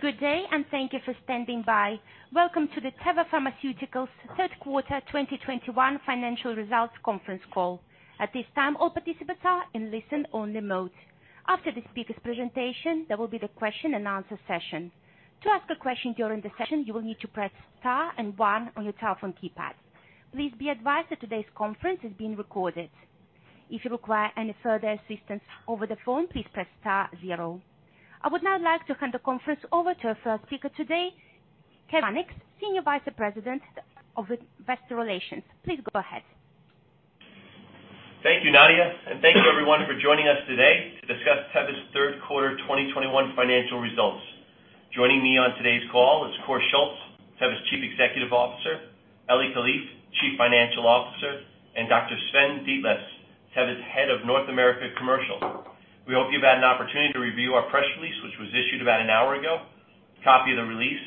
Good day, and thank you for standing by. Welcome to the Teva Pharmaceutical Industries third quarter 2021 financial results conference call. At this time, all participants are in listen-only mode. After the speaker's presentation, there will be the question-and-answer session. To ask a question during the session, you will need to press star and one on your telephone keypad. Please be advised that today's conference is being recorded. If you require any further assistance over the phone, please press star zero. I would now like to hand the conference over to our first speaker today, Kevin Mannix, Senior Vice President of Investor Relations. Please go ahead. Thank you, Nadia, and thank you everyone for joining us today to discuss Teva's third quarter 2021 financial results. Joining me on today's call is Kåre Schultz, Teva's Chief Executive Officer, Eli Kalif, Chief Financial Officer, and Dr. Sven Dethlefs, Teva's Head of North America Commercial. We hope you've had an opportunity to review our press release, which was issued about an hour ago. A copy of the release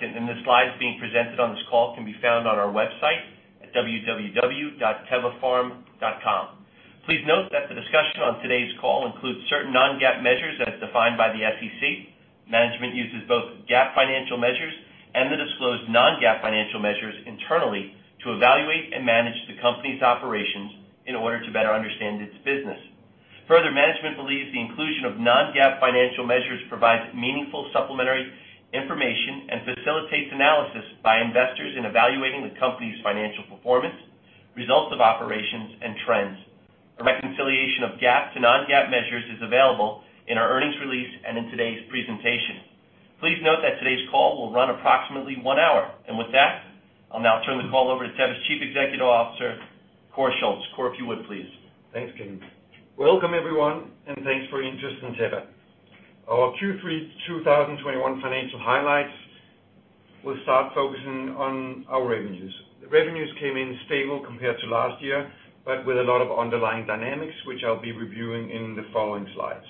and the slides being presented on this call can be found on our website at www.tevapharm.com. Please note that the discussion on today's call includes certain non-GAAP measures as defined by the SEC. Management uses both GAAP financial measures and the disclosed non-GAAP financial measures internally to evaluate and manage the company's operations in order to better understand its business. Further, management believes the inclusion of non-GAAP financial measures provides meaningful supplementary information and facilitates analysis by investors in evaluating the company's financial performance, results of operations, and trends. A reconciliation of GAAP to non-GAAP measures is available in our earnings release and in today's presentation. Please note that today's call will run approximately one hour. With that, I'll now turn the call over to Teva's Chief Executive Officer, Kåre Schultz. Kåre, if you would, please. Thanks, Kevin. Welcome everyone, and thanks for your interest in Teva. Our Q3 2021 financial highlights will start focusing on our revenues. The revenues came in stable compared to last year, but with a lot of underlying dynamics, which I'll be reviewing in the following slides.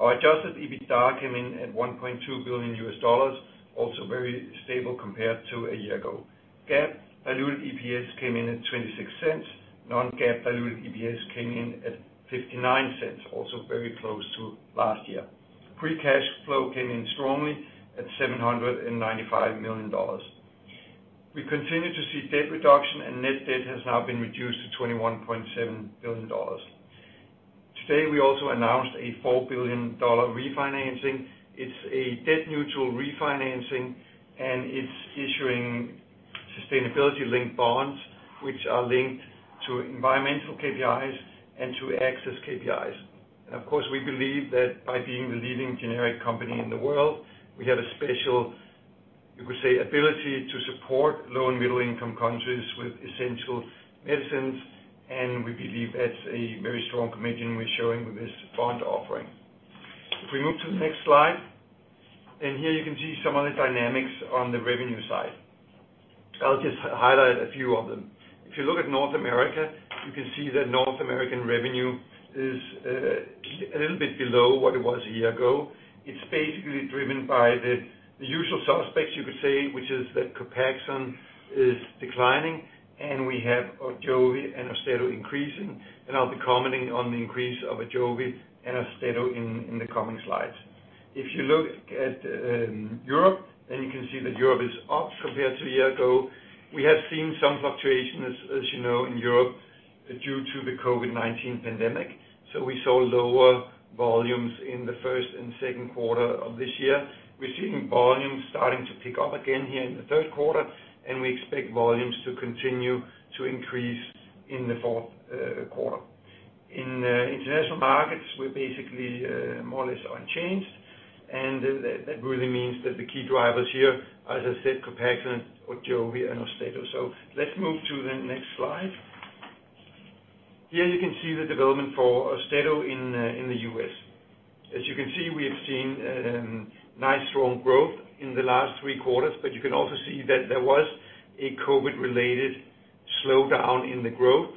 Our adjusted EBITDA came in at $1.2 billion, also very stable compared to a year ago. GAAP EPS came in at $0.26. Non-GAAP EPS came in at $0.59, also very close to last year. Free cash flow came in strongly at $795 million. We continue to see debt reduction and net debt has now been reduced to $21.7 billion. Today, we also announced a $4 billion refinancing. It's a debt neutral refinancing and it's issuing sustainability linked bonds which are linked to environmental KPIs and to access KPIs. Of course, we believe that by being the leading generic company in the world, we have a special, you could say, ability to support low and middle income countries with essential medicines, and we believe that's a very strong commitment we're showing with this bond offering. If we move to the next slide, and here you can see some of the dynamics on the revenue side. I'll just highlight a few of them. If you look at North America, you can see that North American revenue is a little bit below what it was a year ago. It's basically driven by the usual suspects you could say, which is that Copaxone is declining, and we have AJOVY and AUSTEDO increasing. I'll be commenting on the increase of AJOVY and AUSTEDO in the coming slides. If you look at Europe, and you can see that Europe is up compared to a year ago, we have seen some fluctuation, as you know, in Europe due to the COVID-19 pandemic. We saw lower volumes in the first and second quarter of this year. We're seeing volumes starting to pick up again here in the third quarter, and we expect volumes to continue to increase in the fourth quarter. In international markets, we're basically more or less unchanged, and that really means that the key drivers here, as I said, COPAXONE, AJOVY and AUSTEDO. Let's move to the next slide. Here you can see the development for AUSTEDO in the U.S. As you can see, we have seen nice strong growth in the last three quarters, but you can also see that there was a COVID related slowdown in the growth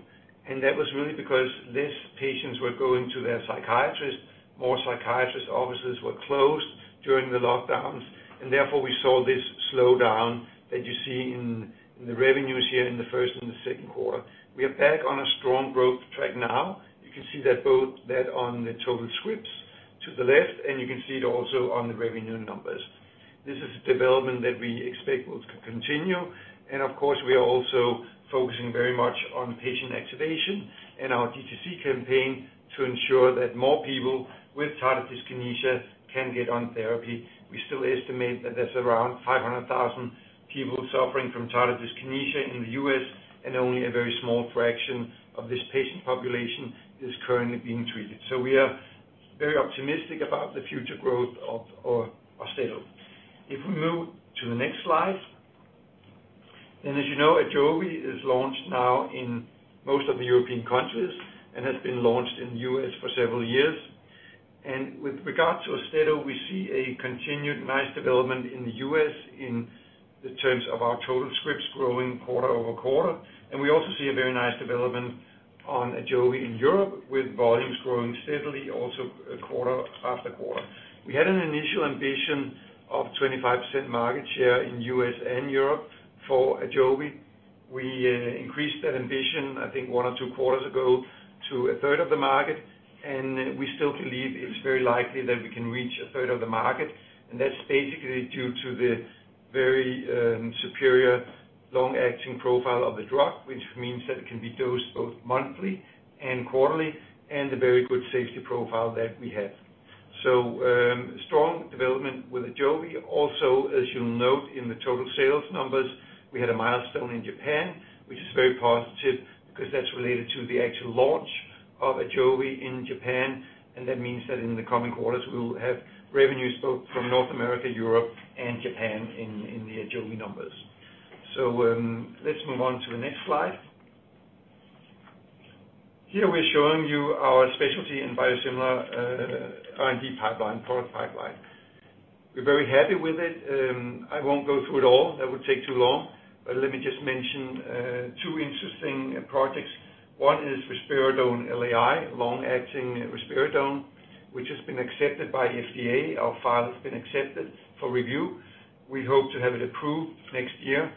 and that was really because less patients were going to their psychiatrist. More psychiatrist offices were closed during the lockdowns and therefore we saw this slowdown that you see in the revenues here in the first and the second quarter. We are back on a strong growth track now. You can see that both that on the total scripts to the left, and you can see it also on the revenue numbers. This is a development that we expect will continue, and of course, we are also focusing very much on patient activation and our DTC campaign to ensure that more people with tardive dyskinesia can get on therapy. We still estimate that there's around 500,000 people suffering from tardive dyskinesia in the U.S. and only a very small fraction of this patient population is currently being treated. We are very optimistic about the future growth of AUSTEDO. If we move to the next slide. As you know, AJOVY is launched now in most of the European countries and has been launched in the U.S. for several years. With regards to AUSTEDO, we see a continued nice development in the U.S. in terms of our total scripts growing quarter-over-quarter. We also see a very nice development on AJOVY in Europe with volumes growing steadily also quarter-over-quarter. We had an initial ambition of 25% market share in U.S. and Europe for AJOVY. We increased that ambition, I think one or two quarters ago to a third of the market, and we still believe it's very likely that we can reach a third of the market. That's basically due to the very superior long-acting profile of the drug, which means that it can be dosed both monthly and quarterly, and the very good safety profile that we have. Strong development with AJOVY. Also, as you'll note in the total sales numbers, we had a milestone in Japan, which is very positive because that's related to the actual launch of AJOVY in Japan, and that means that in the coming quarters, we will have revenues both from North America, Europe, and Japan in the AJOVY numbers. Let's move on to the next slide. Here we're showing you our specialty in biosimilar R&D pipeline, product pipeline. We're very happy with it. I won't go through it all. That would take too long. Let me just mention two interesting projects. One is risperidone LAI, long-acting risperidone, which has been accepted by FDA. Our file has been accepted for review. We hope to have it approved next year.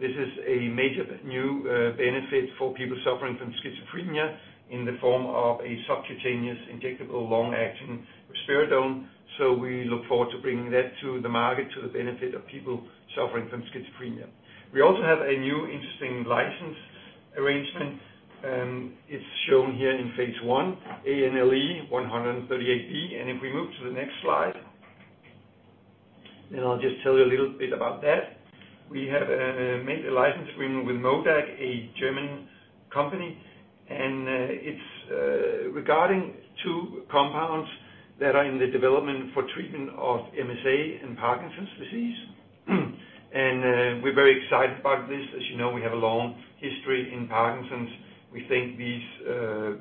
This is a major new benefit for people suffering from schizophrenia in the form of a subcutaneous injectable long-acting Risperidone. We look forward to bringing that to the market to the benefit of people suffering from schizophrenia. We also have a new interesting license arrangement. It's shown here in phase I, anle138b. If we move to the next slide, then I'll just tell you a little bit about that. We have made a license agreement with MODAG, a German company, and it's regarding two compounds that are in the development for treatment of MSA and Parkinson's disease. We're very excited about this. As you know, we have a long history in Parkinson's. We think these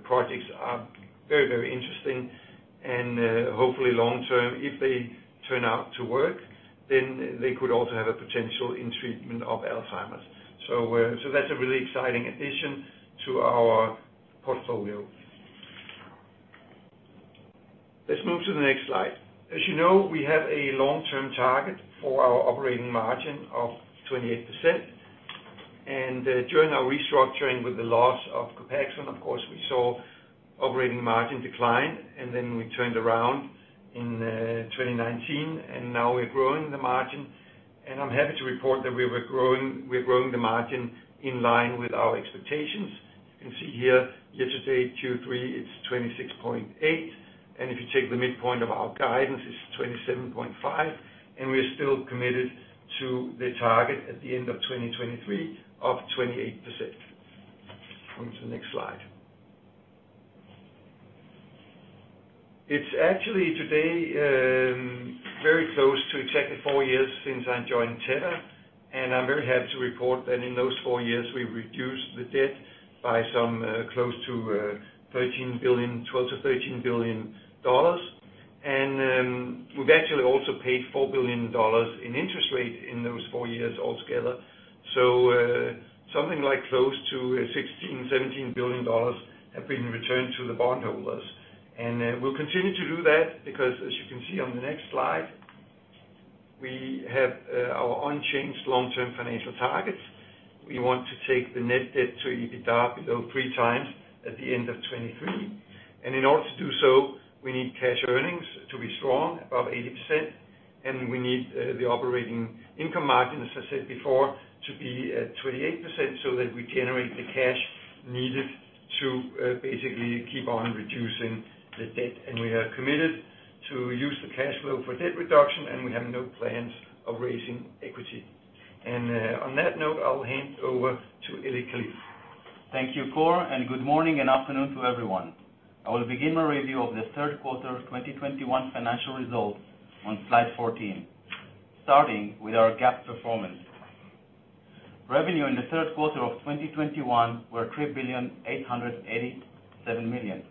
projects are very, very interesting and hopefully long-term, if they turn out to work, then they could also have a potential in treatment of Alzheimer's. That's a really exciting addition to our portfolio. Let's move to the next slide. As you know, we have a long-term target for our operating margin of 28%. During our restructuring with the loss of Copaxone, of course, we saw operating margin decline, and then we turned around in 2019, and now we're growing the margin. I'm happy to report that we're growing the margin in line with our expectations. You can see here, year-to-date Q3, it's 26.8%. If you take the midpoint of our guidance, it's 27.5%, and we're still committed to the target at the end of 2023 of 28%. Going to the next slide. It's actually today very close to exactly four years since I joined Teva, and I'm very happy to report that in those four years, we've reduced the debt by some close to $13 billion, $12 billion-$13 billion. We've actually also paid $4 billion in interest in those four years altogether. Something like close to $16 billion-$17 billion have been returned to the bondholders. We'll continue to do that because as you can see on the next slide, we have our unchanged long-term financial targets. We want to take the net debt to EBITDA below 3x at the end of 2023. In order to do so, we need cash earnings to be strong above 80%, and we need the operating income margin, as I said before, to be at 28% so that we generate the cash needed to basically keep on reducing the debt. We have committed to use the cash flow for debt reduction, and we have no plans of raising equity. On that note, I'll hand over to Eli Kalif. Thank you, Kåre, and good morning and afternoon to everyone. I will begin my review of the third quarter of 2021 financial results on slide 14, starting with our GAAP performance. Revenue in the third quarter of 2021 were $3,887,000,000,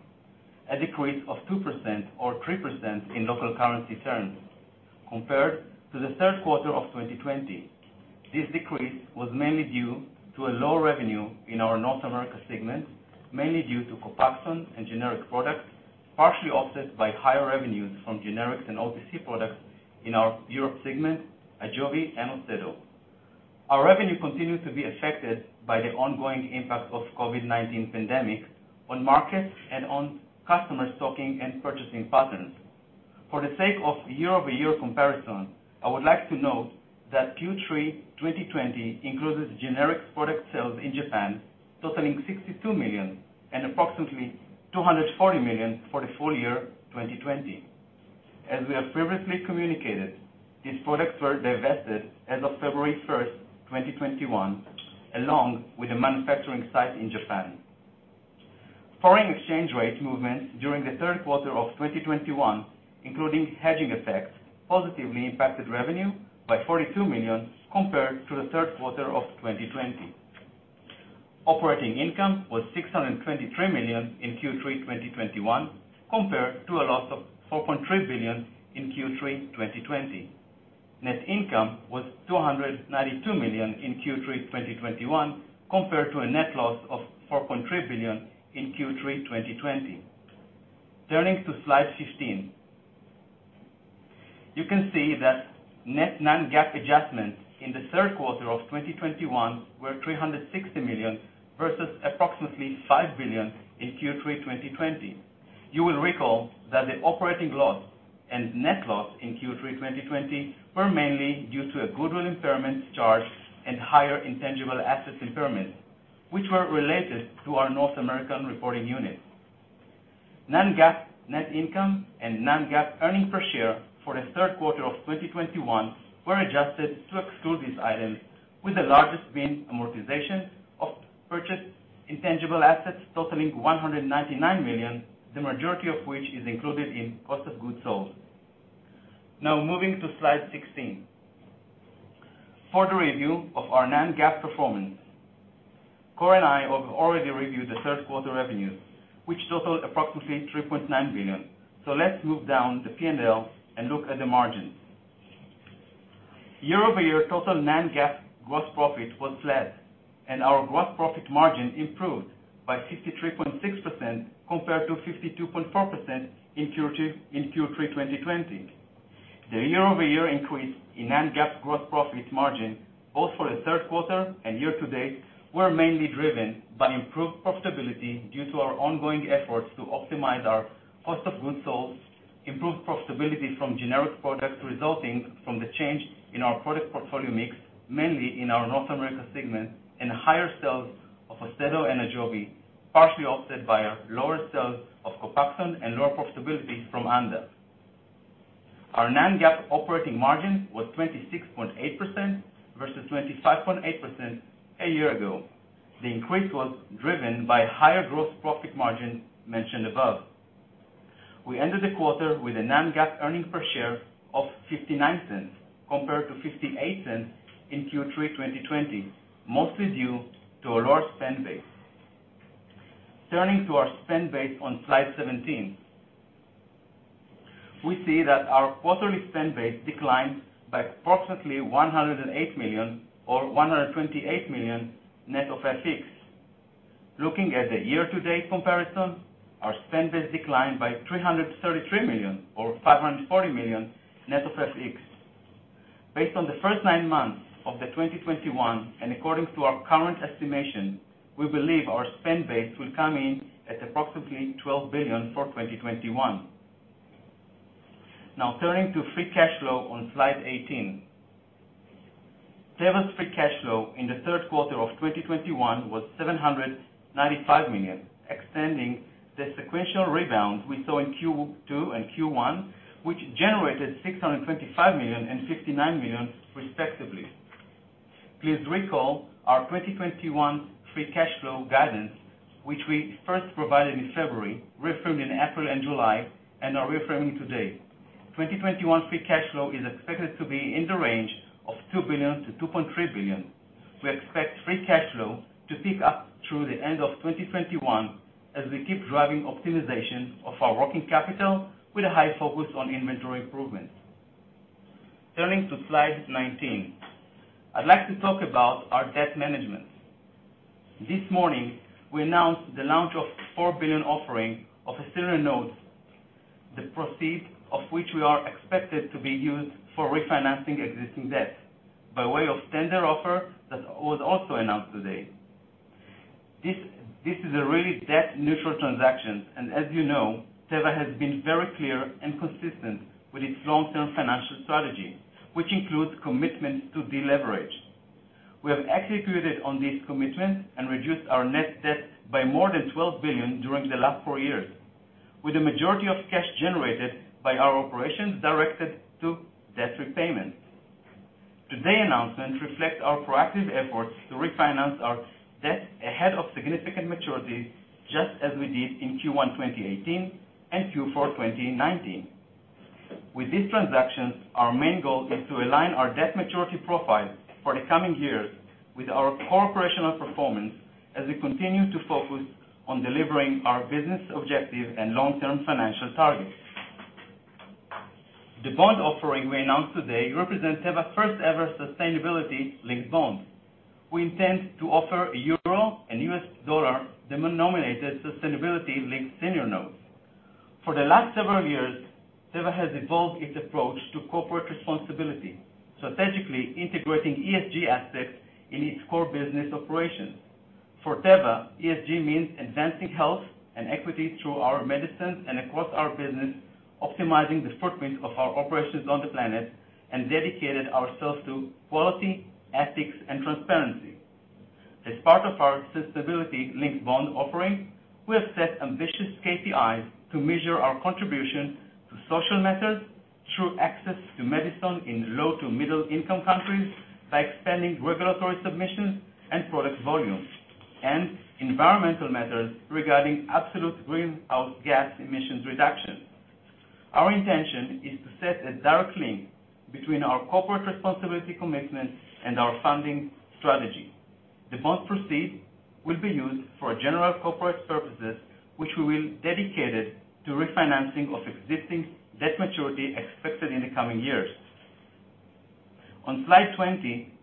a decrease of 2% or 3% in local currency terms compared to the third quarter of 2020. This decrease was mainly due to a lower revenue in our North America segment, mainly due to Copaxone and generic products, partially offset by higher revenues from generics and OTC products in our Europe segment, AJOVY and AUSTEDO. Our revenue continued to be affected by the ongoing impact of COVID-19 pandemic on markets and on customer stocking and purchasing patterns. For the sake of year-over-year comparison, I would like to note that Q3 2020 includes generic product sales in Japan, totaling $62 million and approximately $240 million for the full year 2020. As we have previously communicated, these products were divested as of February 1st, 2021, along with a manufacturing site in Japan. Foreign exchange rate movements during the third quarter of 2021, including hedging effects, positively impacted revenue by $42 million compared to the third quarter of 2020. Operating income was $623 million in Q3 2021 compared to a loss of $4.3 billion in Q3 2020. Net income was $292 million in Q3 2021 compared to a net loss of $4.3 billion in Q3 2020. Turning to slide 15. You can see that net non-GAAP adjustments in the third quarter of 2021 were $360 million versus approximately $5 billion in Q3 2020. You will recall that the operating loss and net loss in Q3 2020 were mainly due to a goodwill impairment charge and higher intangible asset impairment, which were related to our North American reporting unit. Non-GAAP net income and non-GAAP earnings per share for the third quarter of 2021 were adjusted to exclude these items, with the largest being amortization of purchased intangible assets totaling $199 million, the majority of which is included in cost of goods sold. Now moving to slide 16. For the review of our non-GAAP performance, Kåre and I have already reviewed the third quarter revenues, which totaled approximately $3.9 billion. Let's move down the P&L and look at the margins. Year-over-year total non-GAAP gross profit was flat and our gross profit margin improved by 63.6% compared to 52.4% in Q3 2020. The year-over-year increase in non-GAAP gross profit margin, both for the third quarter and year-to-date, were mainly driven by improved profitability due to our ongoing efforts to optimize our cost of goods sold, improved profitability from generic products resulting from the change in our product portfolio mix, mainly in our North America segment, and higher sales of AUSTEDO and AJOVY, partially offset by lower sales of Copaxone and lower profitability from ANDA. Our non-GAAP operating margin was 26.8% versus 25.8% a year ago. The increase was driven by higher gross profit margin mentioned above. We ended the quarter with a non-GAAP earnings per share of $0.59 compared to $0.58 in Q3 2020, mostly due to a lower spend base. Turning to our spend base on slide 17. We see that our quarterly spend base declined by approximately $108 million or $128 million net of FX. Looking at the year-to-date comparison, our spend base declined by $333 million or $540 million net of FX. Based on the first nine months of 2021, and according to our current estimation, we believe our spend base will come in at approximately $12 billion for 2021. Now, turning to free cash flow on slide 18. Teva's free cash flow in the third quarter of 2021 was $795 million, extending the sequential rebound we saw in Q2 and Q1, which generated $625 million and $59 million respectively. Please recall our 2021 free cash flow guidance, which we first provided in February, reaffirmed in April and July, and are reaffirming today. 2021 free cash flow is expected to be in the range of $2 billion-$2.3 billion. We expect free cash flow to pick up through the end of 2021 as we keep driving optimization of our working capital with a high focus on inventory improvements. Turning to slide 19. I'd like to talk about our debt management. This morning, we announced the launch of $4 billion offering of a senior note, the proceeds of which we are expected to be used for refinancing existing debt by way of tender offer that was also announced today. This is a really debt neutral transaction, and as you know, Teva has been very clear and consistent with its long-term financial strategy, which includes commitment to deleverage. We have executed on this commitment and reduced our net debt by more than $12 billion during the last four years, with the majority of cash generated by our operations directed to debt repayment. Today's announcement reflects our proactive efforts to refinance our debt ahead of significant maturities, just as we did in Q1 2018 and Q4 2019. With this transaction, our main goal is to align our debt maturity profile for the coming years with our core operational performance as we continue to focus on delivering our business objective and long-term financial targets. The bond offering we announced today represents Teva's first-ever sustainability-linked bond. We intend to offer euro and US dollar denominated sustainability-linked senior notes. For the last several years, Teva has evolved its approach to corporate responsibility, strategically integrating ESG aspects in its core business operations. For Teva, ESG means advancing health and equity through our medicines and across our business, optimizing the footprint of our operations on the planet, and dedicating ourselves to quality, ethics, and transparency. As part of our sustainability-linked bond offering, we have set ambitious KPIs to measure our contribution to social metrics through access to medicine in low- to middle-income countries by expanding regulatory submissions and product volumes, and environmental metrics regarding absolute greenhouse gas emissions reduction. Our intention is to set a direct link between our corporate responsibility commitment and our funding strategy. The bond proceeds will be used for general corporate purposes, which we will dedicate to refinancing of existing debt maturities expected in the coming years. On slide 20,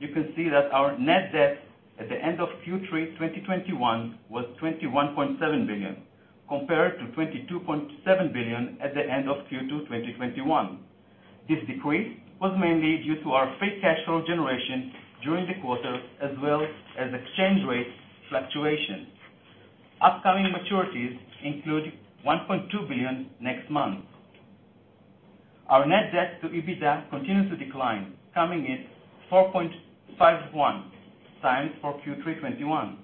you can see that our net debt at the end of Q3 2021 was $21.7 billion, compared to $22.7 billion at the end of Q2 2021. This decrease was mainly due to our free cash flow generation during the quarter, as well as exchange rate fluctuations. Upcoming maturities include $1.2 billion next month. Our net debt to EBITDA continues to decline, coming in 4.51x for Q3 2021,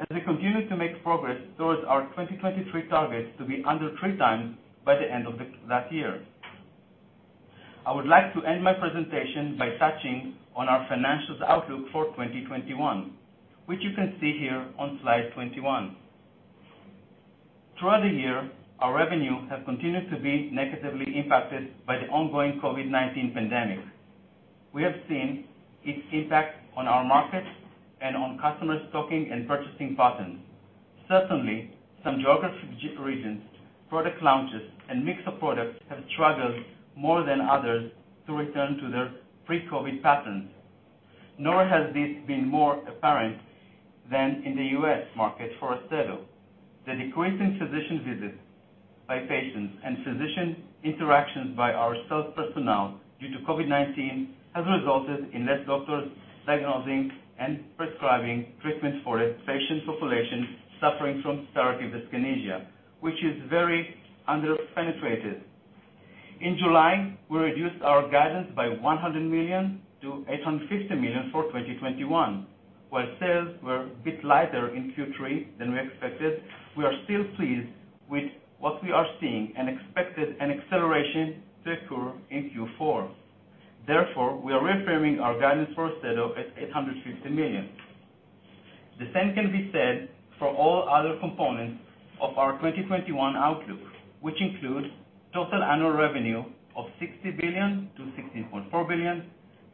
as we continue to make progress towards our 2023 targets to be under 3x by the end of that year. I would like to end my presentation by touching on our financials outlook for 2021, which you can see here on slide 21. Throughout the year, our revenue has continued to be negatively impacted by the ongoing COVID-19 pandemic. We have seen its impact on our market and on customers' stocking and purchasing patterns. Certainly, some geographic regions, product launches, and mix of products have struggled more than others to return to their pre-COVID patterns. Nor has this been more apparent than in the US market for AUSTEDO. The decrease in physician visits by patients and physician interactions by our sales personnel due to COVID-19 has resulted in fewer doctors diagnosing and prescribing treatments for a patient population suffering from tardive dyskinesia, which is very under-penetrated. In July, we reduced our guidance by $100 million to $850 million for 2021. While sales were a bit lighter in Q3 than we expected, we are still pleased with what we are seeing and expect an acceleration to occur in Q4. Therefore, we are reaffirming our guidance for AUSTEDO at $850 million. The same can be said for all other components of our 2021 outlook, which include total annual revenue of $60 billion-$60.4 billion,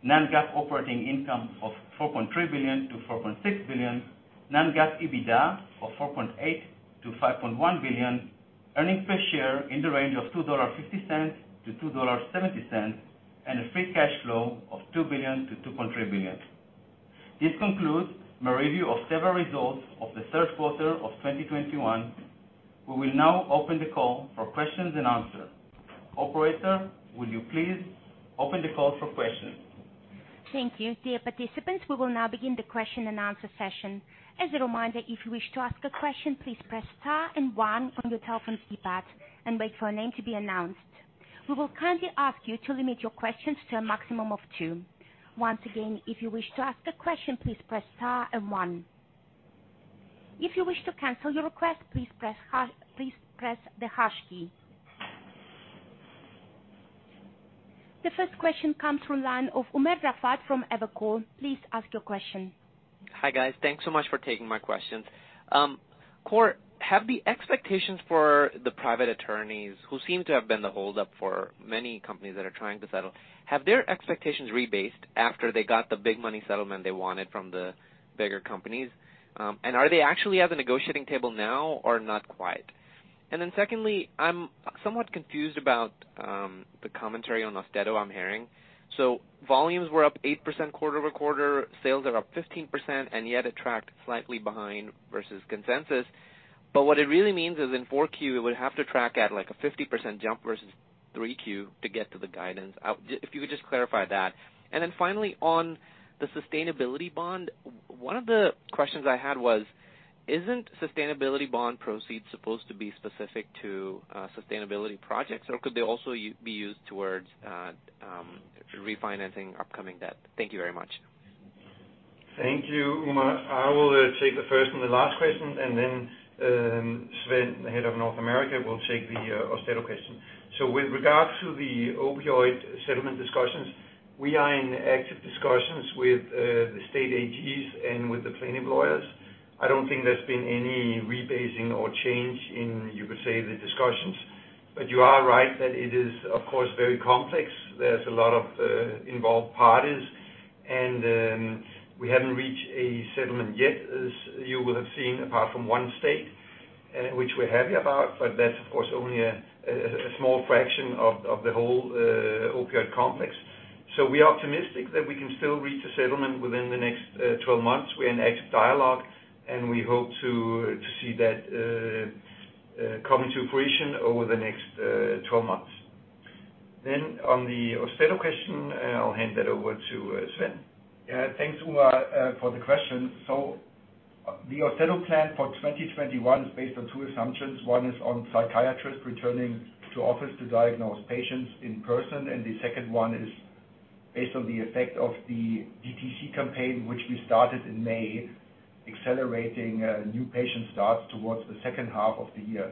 non-GAAP operating income of $4.3 billion-$4.6 billion, non-GAAP EBITDA of $4.8-$5.1 billion, earnings per share in the range of $2.50-$2.70, and a free cash flow of $2 billion-$2.3 billion. This concludes my review of several results of the third quarter of 2021. We will now open the call for questions and answers. Operator, will you please open the call for questions? Thank you. Dear participants, we will now begin the question and answer session. As a reminder, if you wish to ask a question, please press star and one on your telephone keypad and wait for a name to be announced. We will kindly ask you to limit your questions to a maximum of two. Once again, if you wish to ask the question, please press star and one. If you wish to cancel your request, please press the hash key. The first question comes from line of Umer Raffat from Evercore. Please ask your question. Hi, guys. Thanks so much for taking my questions. Kåre, have the expectations for the private attorneys who seem to have been the holdup for many companies that are trying to settle, have their expectations rebased after they got the big money settlement they wanted from the bigger companies? Are they actually at the negotiating table now or not quite? Secondly, I'm somewhat confused about the commentary on AUSTEDO I'm hearing. Volumes were up 8% quarter-over-quarter. Sales are up 15%, and yet it tracked slightly behind versus consensus. What it really means is in Q4, it would have to track at, like, a 50% jump versus Q3 to get to the guidance out. If you could just clarify that. Finally, on the sustainability bond, one of the questions I had was, isn't sustainability bond proceeds supposed to be specific to sustainability projects? Or could they also be used towards refinancing upcoming debt? Thank you very much. Thank you, Umer. I will take the first and the last question, and then Sven, the head of North America, will take the AUSTEDO question. With regards to the opioid settlement discussions, we are in active discussions with the state AGs and with the plaintiff lawyers. I don't think there's been any rebasing or change in, you could say, the discussions. You are right that it is, of course, very complex. There's a lot of involved parties, and we haven't reached a settlement yet, as you will have seen, apart from one state, which we're happy about, but that's, of course, only a small fraction of the whole opioid complex. We are optimistic that we can still reach a settlement within the next 12 months. We're in active dialogue, and we hope to see that coming to fruition over the next 12 months. On the AUSTEDO question, I'll hand that over to Sven. Yeah. Thanks, Umer, for the question. The AUSTEDO plan for 2021 is based on two assumptions. One is on psychiatrists returning to office to diagnose patients in person, and the second one is based on the effect of the DTC campaign, which we started in May, accelerating new patient starts towards the second half of the year.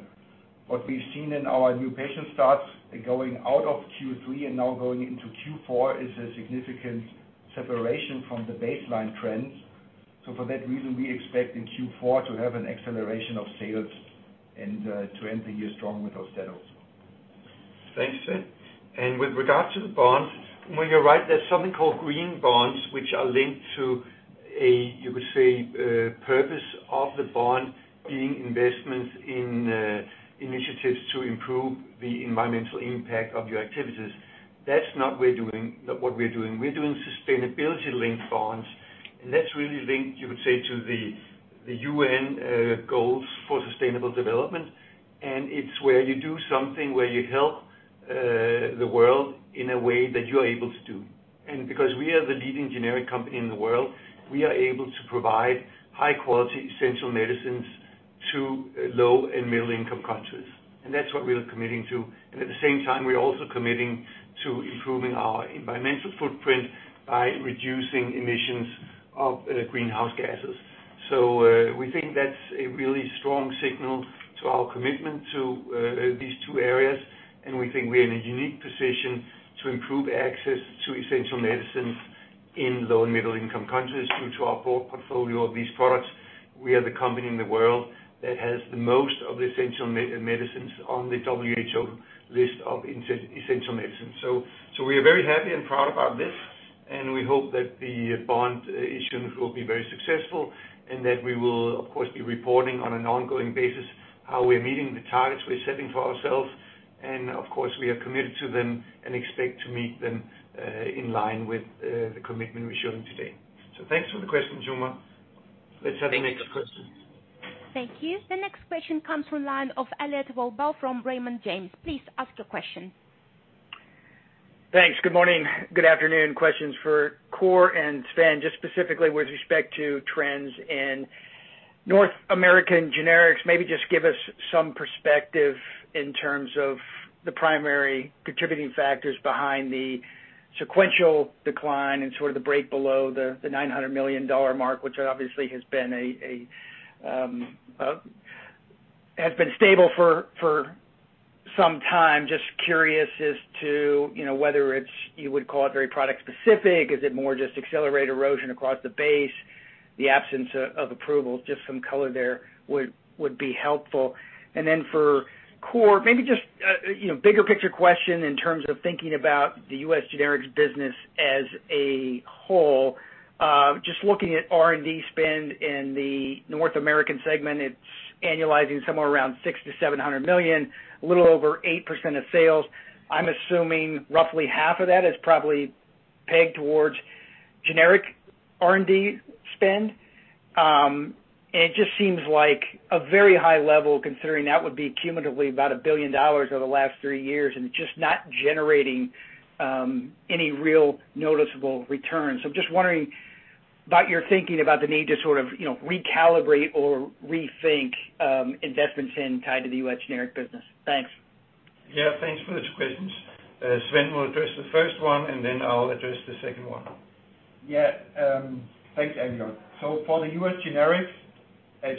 What we've seen in our new patient starts going out of Q3 and now going into Q4 is a significant separation from the baseline trends. For that reason, we expect in Q4 to have an acceleration of sales and to end the year strong with AUSTEDO. Thanks, Sven. With regards to the bonds, well, you're right. There's something called green bonds, which are linked to. You could say purpose of the bond being investments in initiatives to improve the environmental impact of your activities. That's not what we're doing. We're doing sustainability linked bonds, and that's really linked, you could say, to the UN goals for sustainable development. It's where you do something where you help the world in a way that you are able to do. Because we are the leading generic company in the world, we are able to provide high quality essential medicines to low and middle income countries. That's what we are committing to. At the same time, we're also committing to improving our environmental footprint by reducing emissions of greenhouse gases. We think that's a really strong signal to our commitment to these two areas, and we think we're in a unique position to improve access to essential medicines in low and middle income countries through our portfolio of these products. We are the company in the world that has the most of the essential medicines on the WHO list of essential medicines. We are very happy and proud about this, and we hope that the bond issuance will be very successful, and that we will, of course, be reporting on an ongoing basis how we're meeting the targets we're setting for ourselves. Of course, we are committed to them and expect to meet them in line with the commitment we're showing today. Thanks for the question, Umer. Let's have the next question. Thank you. Thank you. The next question comes from the line of Elliot Wilbur from Raymond James. Please ask your question. Thanks. Good morning. Good afternoon. Questions for Kåre and Sven, just specifically with respect to trends in North American generics. Maybe just give us some perspective in terms of the primary contributing factors behind the sequential decline and sort of the break below the $900 million mark, which obviously has been stable for some time. Just curious as to you know whether it's you would call it very product specific. Is it more just accelerated erosion across the base, the absence of approvals? Just some color there would be helpful. Then for Kåre, maybe just you know bigger picture question in terms of thinking about the U.S. generics business as a whole. Just looking at R&D spend in the North American segment, it's annualizing somewhere around $600 million-$700 million, a little over 8% of sales. I'm assuming roughly half of that is probably pegged towards generic R&D spend. It just seems like a very high level, considering that would be cumulatively about $1 billion over the last three years, and it's just not generating any real noticeable return. I'm just wondering about your thinking about the need to sort of, you know, recalibrate or rethink investments in tied to the US generic business. Thanks. Yeah. Thanks for those questions. Sven will address the first one, and then I'll address the second one. Yeah. Thanks, Elliot. For the US generics,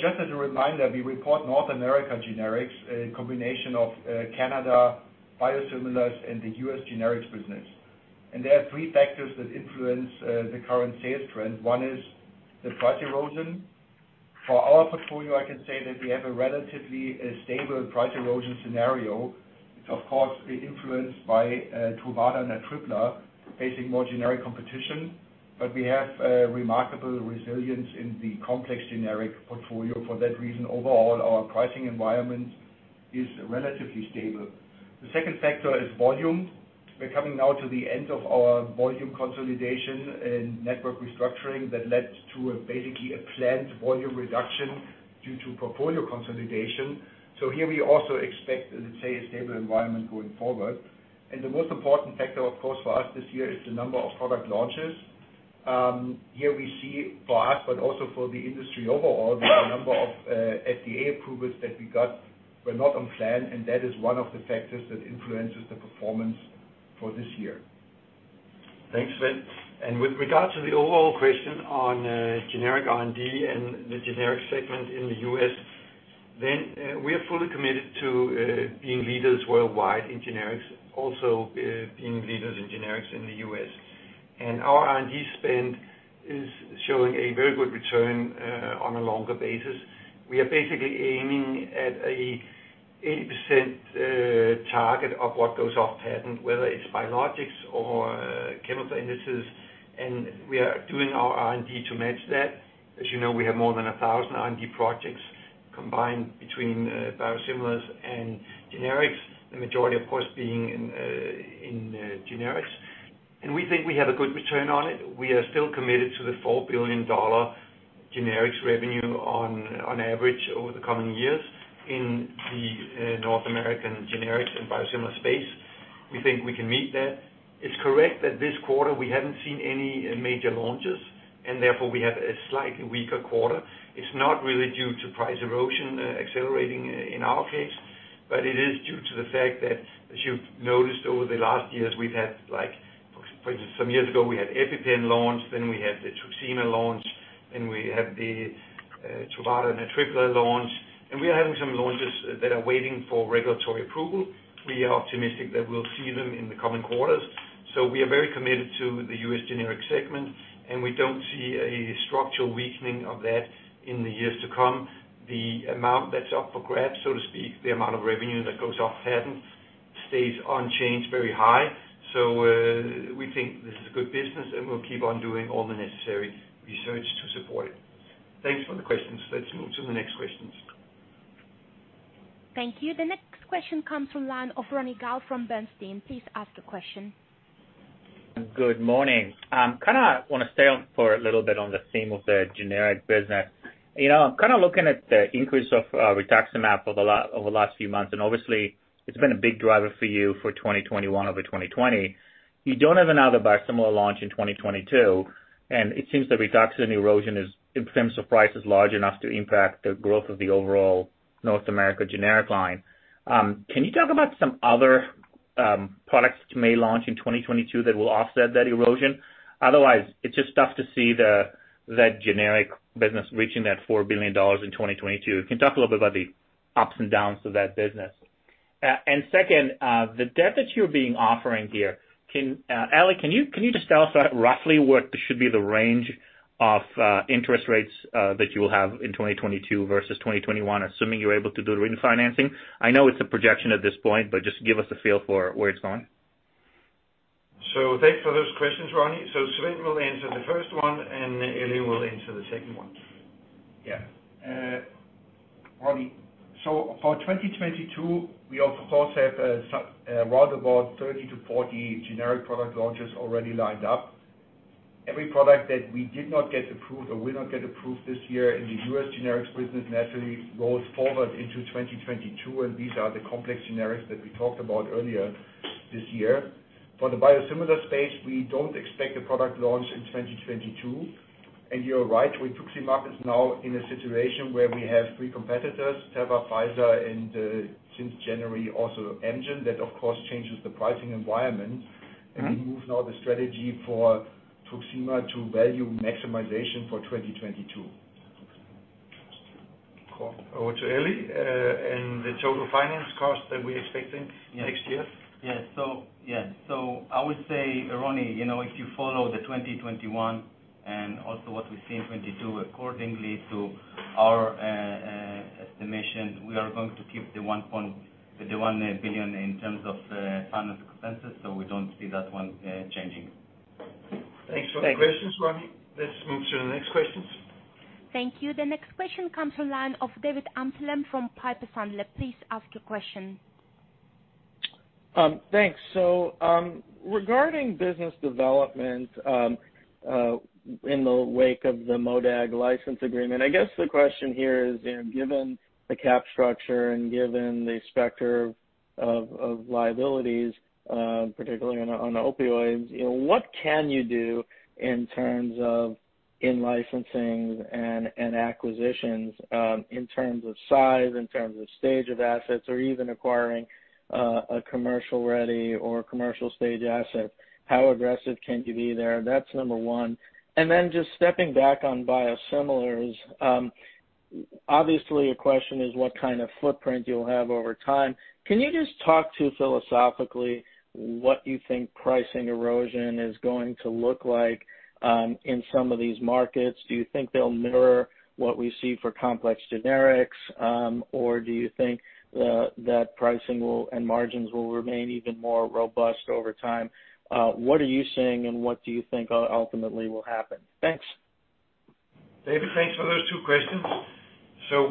just as a reminder, we report North America Generics as a combination of Canadian biosimilars and the US generics business. There are three factors that influence the current sales trend. One is the price erosion. For our portfolio, I can say that we have a relatively stable price erosion scenario. It's of course influenced by Truvada and Atripla facing more generic competition, but we have remarkable resilience in the complex generic portfolio. For that reason, overall, our pricing environment is relatively stable. The second factor is volume. We're coming now to the end of our volume consolidation and network restructuring that led to basically a planned volume reduction due to portfolio consolidation. Here we also expect, let's say, a stable environment going forward. The most important factor, of course, for us this year is the number of product launches. Here we see for us, but also for the industry overall, the number of FDA approvals that we got were not on plan, and that is one of the factors that influences the performance for this year. Thanks, Sven. With regards to the overall question on generic R&D and the generic segment in the U.S., we are fully committed to being leaders worldwide in generics, also being leaders in generics in the U.S. Our R&D spend is showing a very good return on a longer basis. We are basically aiming at a 80% target of what goes off patent, whether it's biologics or chemical entities, and we are doing our R&D to match that. As you know, we have more than 1,000 R&D projects combined between biosimilars and generics, the majority of course being in generics. We think we have a good return on it. We are still committed to the $4 billion generics revenue on average over the coming years in the North American generics and biosimilar space. We think we can meet that. It's correct that this quarter we haven't seen any major launches and therefore we have a slightly weaker quarter. It's not really due to price erosion accelerating in our case, but it is due to the fact that as you've noticed over the last years, we've had, like for instance, some years ago we had EpiPen launch, then we had the TRUXIMA launch, then we had the Truvada and Atripla launch. We are having some launches that are waiting for regulatory approval. We are optimistic that we'll see them in the coming quarters. We are very committed to the US generic segment, and we don't see a structural weakening of that in the years to come. The amount that's up for grabs, so to speak, the amount of revenue that goes off patent stays unchanged, very high. We think this is a good business, and we'll keep on doing all the necessary research to support it. Thanks for the questions. Let's move to the next questions. Thank you. The next question comes from the line of Ronny Gal from Bernstein. Please ask the question. Good morning. Kinda wanna stay on for a little bit on the theme of the generic business. You know, I'm kinda looking at the increase of rituximab over the last few months, and obviously it's been a big driver for you for 2021 over 2020. You don't have another biosimilar launch in 2022, and it seems the rituximab erosion, in terms of price, is large enough to impact the growth of the overall North America generic line. Can you talk about some other products that you may launch in 2022 that will offset that erosion? Otherwise, it's just tough to see that generic business reaching that $4 billion in 2022. Can you talk a little bit about the ups and downs of that business? Second, the debt that you're offering here, Eli, can you just tell us roughly what should be the range of interest rates that you'll have in 2022 versus 2021, assuming you're able to do the refinancing? I know it's a projection at this point, but just give us a feel for where it's going. Thanks for those questions, Ronny. Sven will answer the first one, and Eli will answer the second one. Yeah. Ronny, so for 2022, we of course have some roundabout 30-40 generic product launches already lined up. Every product that we did not get approved or will not get approved this year in the US generics business naturally rolls forward into 2022, and these are the complex generics that we talked about earlier this year. For the biosimilar space, we don't expect a product launch in 2022. You're right, rituximab is now in a situation where we have three competitors, Teva, Pfizer, and since January, also Amgen. That of course changes the pricing environment. We now move to the strategy for rituximab to value maximization for 2022. Over to Eli, and the total finance cost that we're expecting next year. Yes. Yeah. I would say, Ronny, you know, if you follow the 2021 and also what we see in 2022 according to our estimations, we are going to keep the $1 billion in terms of finance expenses, so we don't see that one changing. Thanks. Thanks for the questions, Ronny. Let's move to the next questions. Thank you. The next question comes from the line of David Amsellem from Piper Sandler. Please ask your question. Thanks. Regarding business development, in the wake of the MODAG license agreement, I guess the question here is, you know, given the capital structure and given the specter of liabilities, particularly on opioids, you know, what can you do in terms of in-licensing and acquisitions, in terms of size, in terms of stage of assets or even acquiring a commercial-ready or commercial-stage asset? How aggressive can you be there? That's number one. Just stepping back on biosimilars, obviously a question is what kind of footprint you'll have over time. Can you just talk philosophically about what you think pricing erosion is going to look like in some of these markets? Do you think they'll mirror what we see for complex generics, or do you think that pricing will, and margins will remain even more robust over time? What are you seeing, and what do you think ultimately will happen? Thanks. David, thanks for those two questions.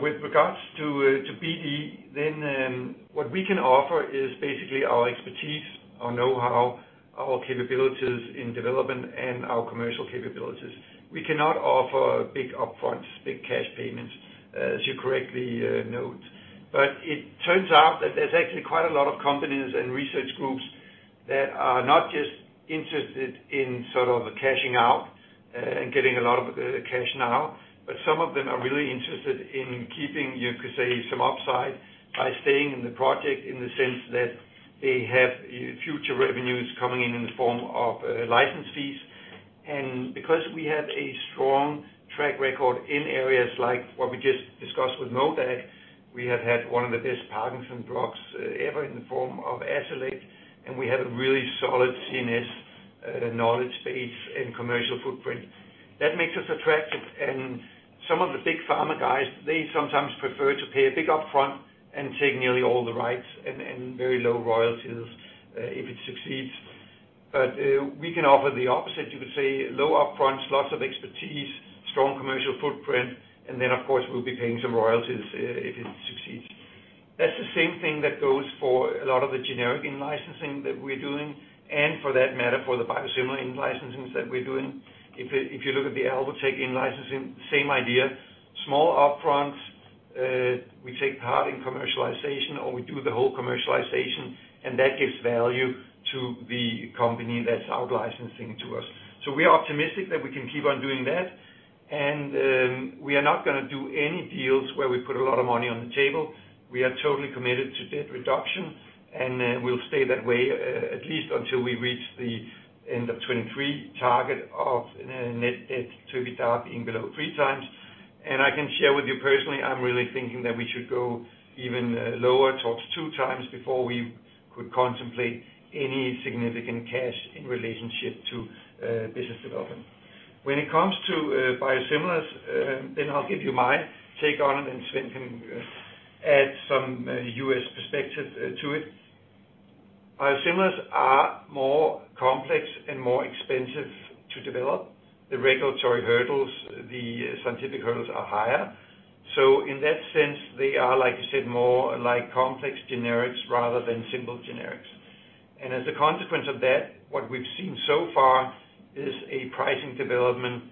With regards to BE then what we can offer is basically our expertise, our know-how, our capabilities in development and our commercial capabilities. We cannot offer big upfronts, big cash payments, as you correctly note. It turns out that there's actually quite a lot of companies and research groups that are not just interested in sort of cashing out and getting a lot of the cash now, but some of them are really interested in keeping, you could say, some upside by staying in the project in the sense that they have future revenues coming in in the form of license fees. Because we have a strong track record in areas like what we just discussed with MODAG, we have had one of the best Parkinson's blocks ever in the form of Azilect, and we have a really solid CNS knowledge base and commercial footprint. That makes us attractive. Some of the big pharma guys, they sometimes prefer to pay a big upfront and take nearly all the rights and very low royalties if it succeeds. We can offer the opposite, you could say, low up-fronts, lots of expertise, strong commercial footprint, and then of course we'll be paying some royalties if it succeeds. That's the same thing that goes for a lot of the generic in-licensing that we're doing and for that matter, for the biosimilar in-licensings that we're doing. If you look at the Alvotech in-licensing, same idea. Small up-fronts, we take part in commercialization, or we do the whole commercialization, and that gives value to the company that's out-licensing to us. We are optimistic that we can keep on doing that. We are not gonna do any deals where we put a lot of money on the table. We are totally committed to debt reduction, and we'll stay that way, at least until we reach the end of 2023 target of net debt to EBITDA being below 3x. I can share with you personally, I'm really thinking that we should go even lower towards 2x before we could contemplate any significant cash in relationship to business development. When it comes to biosimilars, then I'll give you my take on it, and Sven can add some U.S. perspective to it. Biosimilars are more complex and more expensive to develop. The regulatory hurdles, the scientific hurdles are higher. In that sense, they are, like you said, more like complex generics rather than simple generics. And as a consequence of that, what we've seen so far is a pricing development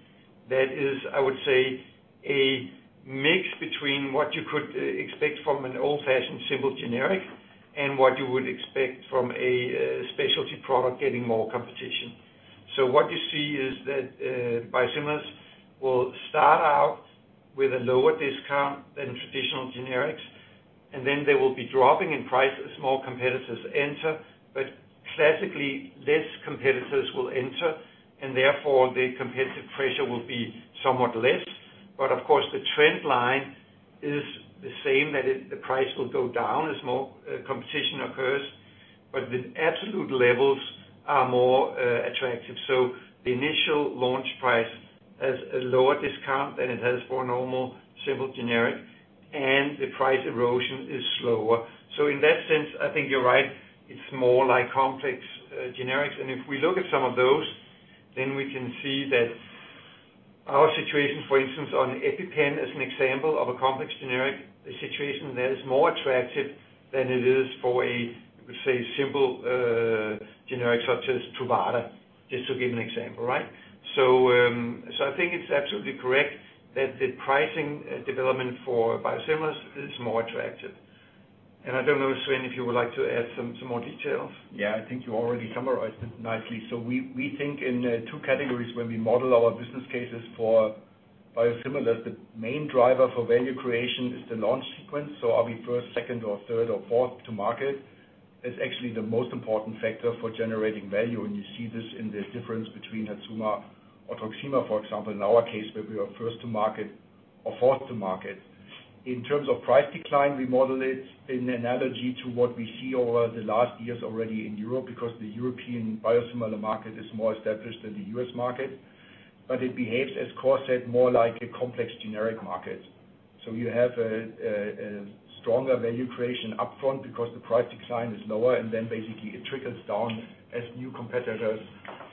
that is, I would say, a mix between what you could expect from an old-fashioned simple generic and what you would expect from a, specialty product getting more competition. What you see is that, biosimilars will start out with a lower discount than traditional generics, and then they will be dropping in price as more competitors enter. Classically, less competitors will enter, and therefore, the competitive pressure will be somewhat less. Of course, the trend line is the same, the price will go down as more competition occurs, but the absolute levels are more attractive. The initial launch price has a lower discount than it has for a normal simple generic, and the price erosion is slower. In that sense, I think you're right, it's more like complex generics. If we look at some of those, then we can see that our situation, for instance, on EpiPen as an example of a complex generic situation that is more attractive than it is for a, let's say, simple generic such as Truvada, just to give an example, right? I think it's absolutely correct that the pricing development for biosimilars is more attractive. I don't know, Sven, if you would like to add some more details. Yeah. I think you already summarized it nicely. We think in two categories when we model our business cases for biosimilars. The main driver for value creation is the launch sequence. Are we first, second or third or fourth to market is actually the most important factor for generating value. You see this in the difference between HERZUMA or TRUXIMA, for example, in our case, where we are first to market or fourth to market. In terms of price decline, we model it in analogy to what we see over the last years already in Europe because the European biosimilar market is more established than the US market, but it behaves, as Kåre said, more like a complex generic market. You have a stronger value creation upfront because the price decline is lower, and then basically it trickles down as new competitors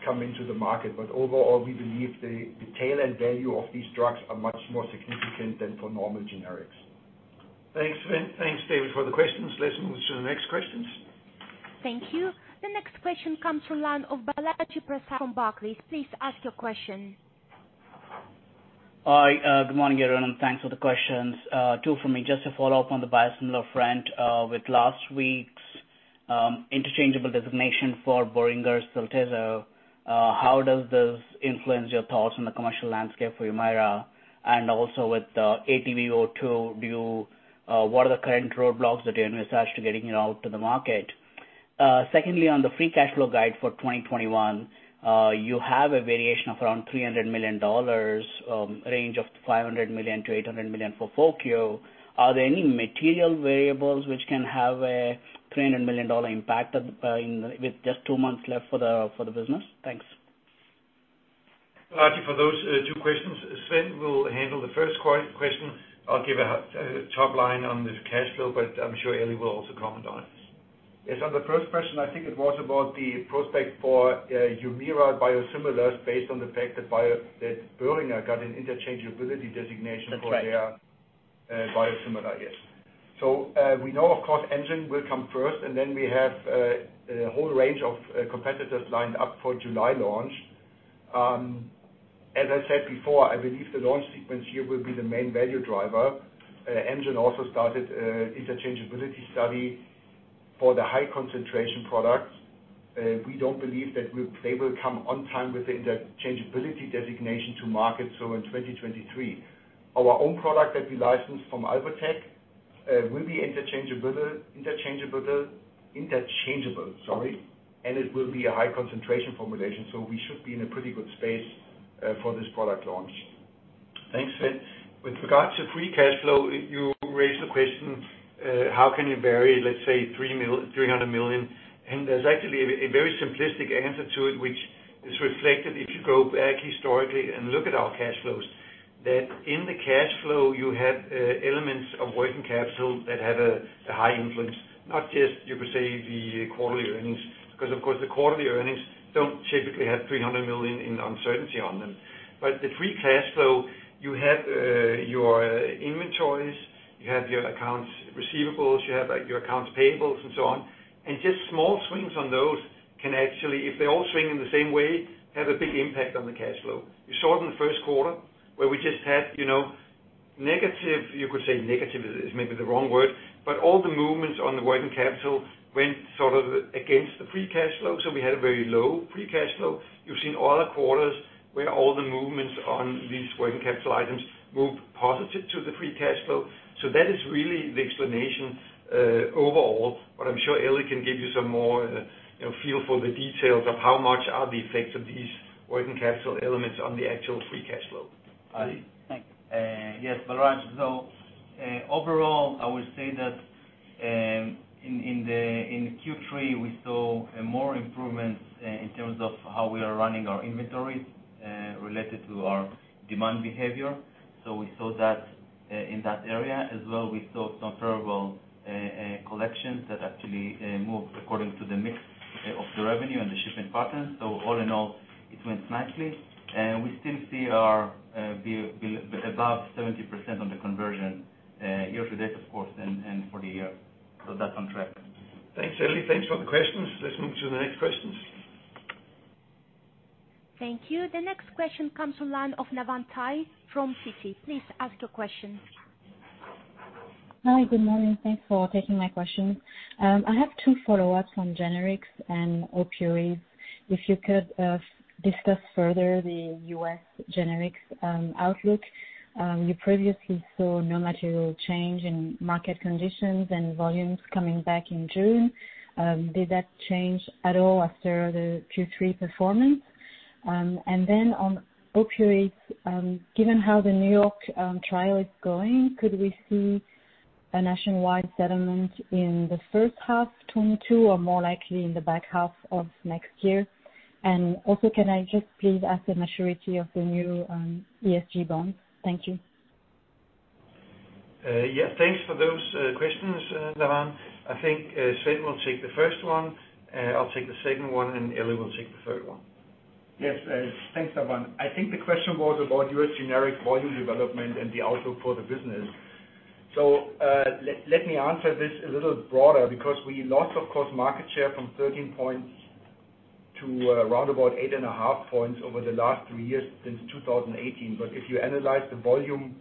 come into the market. Overall, we believe the tail-end value of these drugs are much more significant than for normal generics. Thanks, Sven. Thanks, David, for the questions. Let's move to the next questions. Thank you. The next question comes from the line of Balaji Prasad from Barclays. Please ask your question. Hi. Good morning, everyone, and thanks for the questions. Two from me. Just to follow up on the biosimilar front, with last week's interchangeable designation for Boehringer's Cyltezo, how does this influence your thoughts on the commercial landscape for Humira? And also with AVT02, what are the current roadblocks that you're going to research to getting it out to the market? Secondly, on the free cash flow guide for 2021, you have a variation of around $300 million, range of $500 million-$800 million for full year. Are there any material variables which can have a $300 million impact, with just two months left for the business? Thanks. Balaji, for those two questions, Sven will handle the first question. I'll give a top line on the cash flow, but I'm sure Eli will also comment on this. Yes, on the first question, I think it was about the prospect for Humira biosimilars based on the fact that Boehringer got an interchangeability designation. That's right. For their biosimilar. Yes. We know, of course, Amgen will come first, and then we have a whole range of competitors lined up for July launch. As I said before, I believe the launch sequence here will be the main value driver. Amgen also started interchangeability study for the high concentration products. We don't believe that they will come on time with the interchangeability designation to market, so in 2023. Our own product that we licensed from Alvotech will be interchangeable, sorry, and it will be a high concentration formulation. We should be in a pretty good space for this product launch. Thanks, Sven. With regards to free cash flow, you raised the question, how can you vary, let's say, $300 million. There's actually a very simplistic answer to it, which is reflected if you go back historically and look at our cash flows, that in the cash flow you have elements of working capital that have a high influence, not just, you could say, the quarterly earnings, because, of course, the quarterly earnings don't typically have $300 million in uncertainty on them. The free cash flow, you have your inventories, you have your accounts receivables, you have, like, your accounts payables and so on. Just small swings on those can actually, if they all swing in the same way, have a big impact on the cash flow. You saw it in the first quarter where we just had, you know, negative, you could say negative is maybe the wrong word, but all the movements on the working capital went sort of against the free cash flow. We had a very low free cash flow. You've seen other quarters where all the movements on these working capital items moved positive to the free cash flow. That is really the explanation, overall, but I'm sure Eli can give you some more, you know, feel for the details of how much are the effects of these working capital elements on the actual free cash flow. Eli? Yes, Balaji. Overall, I would say that in Q3 we saw more improvements in terms of how we are running our inventory related to our demand behavior. We saw that in that area. As well, we saw some favorable collections that actually moved according to the mix of the revenue and the shipping patterns. All in all, it went nicely. We still see our about 70% on the conversion year to date, of course, and for the year. That's on track. Thanks, Eli. Thanks for the questions. Let's move to the next questions. Thank you. The next question comes from the line of Navann Ty from Citi. Please ask your question. Hi, good morning. Thanks for taking my question. I have two follow-ups on generics and opioids. If you could discuss further the U.S. generics outlook. You previously saw no material change in market conditions and volumes coming back in June. Did that change at all after the Q3 performance? On opioids, given how the New York trial is going, could we see a nationwide settlement in the first half 2022 or more likely in the back half of next year? Can I just please ask the maturity of the new ESG bond? Thank you. Thanks for those questions, Navann. I think Sven will take the first one, I'll take the second one, and Eli will take the third one. Yes, thanks, Navann. I think the question was about US generic volume development and the outlook for the business. Let me answer this a little broader because we lost, of course, market share from 13 points to around 8.5 points over the last three years since 2018. If you analyze the volume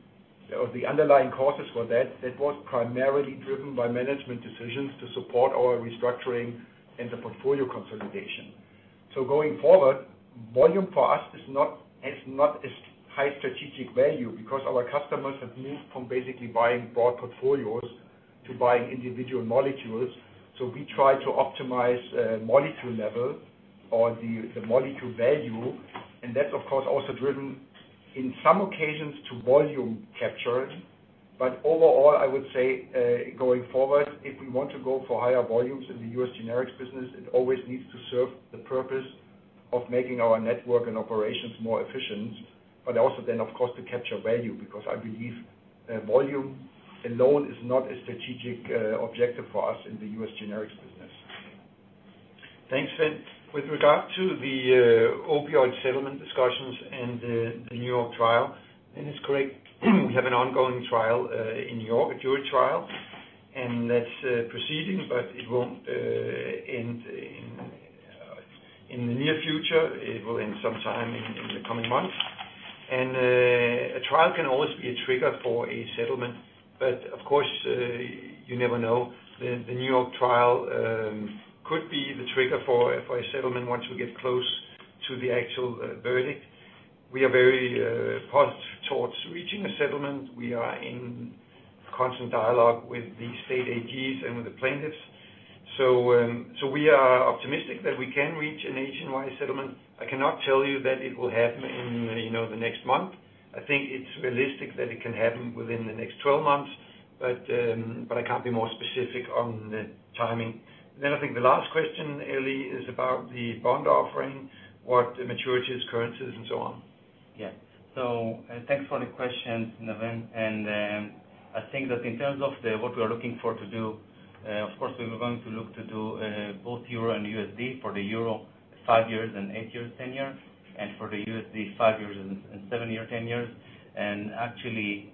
or the underlying causes for that, it was primarily driven by management decisions to support our restructuring and the portfolio consolidation. Going forward, volume for us is not as high strategic value because our customers have moved from basically buying broad portfolios to buying individual molecules. We try to optimize molecule level or the molecule value, and that's of course also driven, in some occasions to volume captures. Overall, I would say, going forward, if we want to go for higher volumes in the US generics business, it always needs to serve the purpose of making our network and operations more efficient. Also then, of course, to capture value, because I believe, volume alone is not a strategic objective for us in the US generics business. Thanks, Sven. With regard to the opioid settlement discussions and the New York trial, it's correct, we have an ongoing trial in New York, a jury trial, and that's proceeding, but it won't end in the near future. It will end some time in the coming months. A trial can always be a trigger for a settlement. Of course you never know. The New York trial could be the trigger for a settlement once we get close to the actual verdict. We are very positive towards reaching a settlement. We are in constant dialogue with the state AGs and with the plaintiffs. So we are optimistic that we can reach a nationwide settlement. I cannot tell you that it will happen in, you know, the next month. I think it's realistic that it can happen within the next 12 months, but I can't be more specific on the timing. I think the last question, Eli, is about the bond offering, what the maturities, currencies, and so on. Yeah. Thanks for the question, Navann. I think that in terms of what we are looking for to do, of course, we were going to look to do both euro and USD. For the euro, five years and eight years tenure, and for the USD, five years and seven-year tenure. Actually,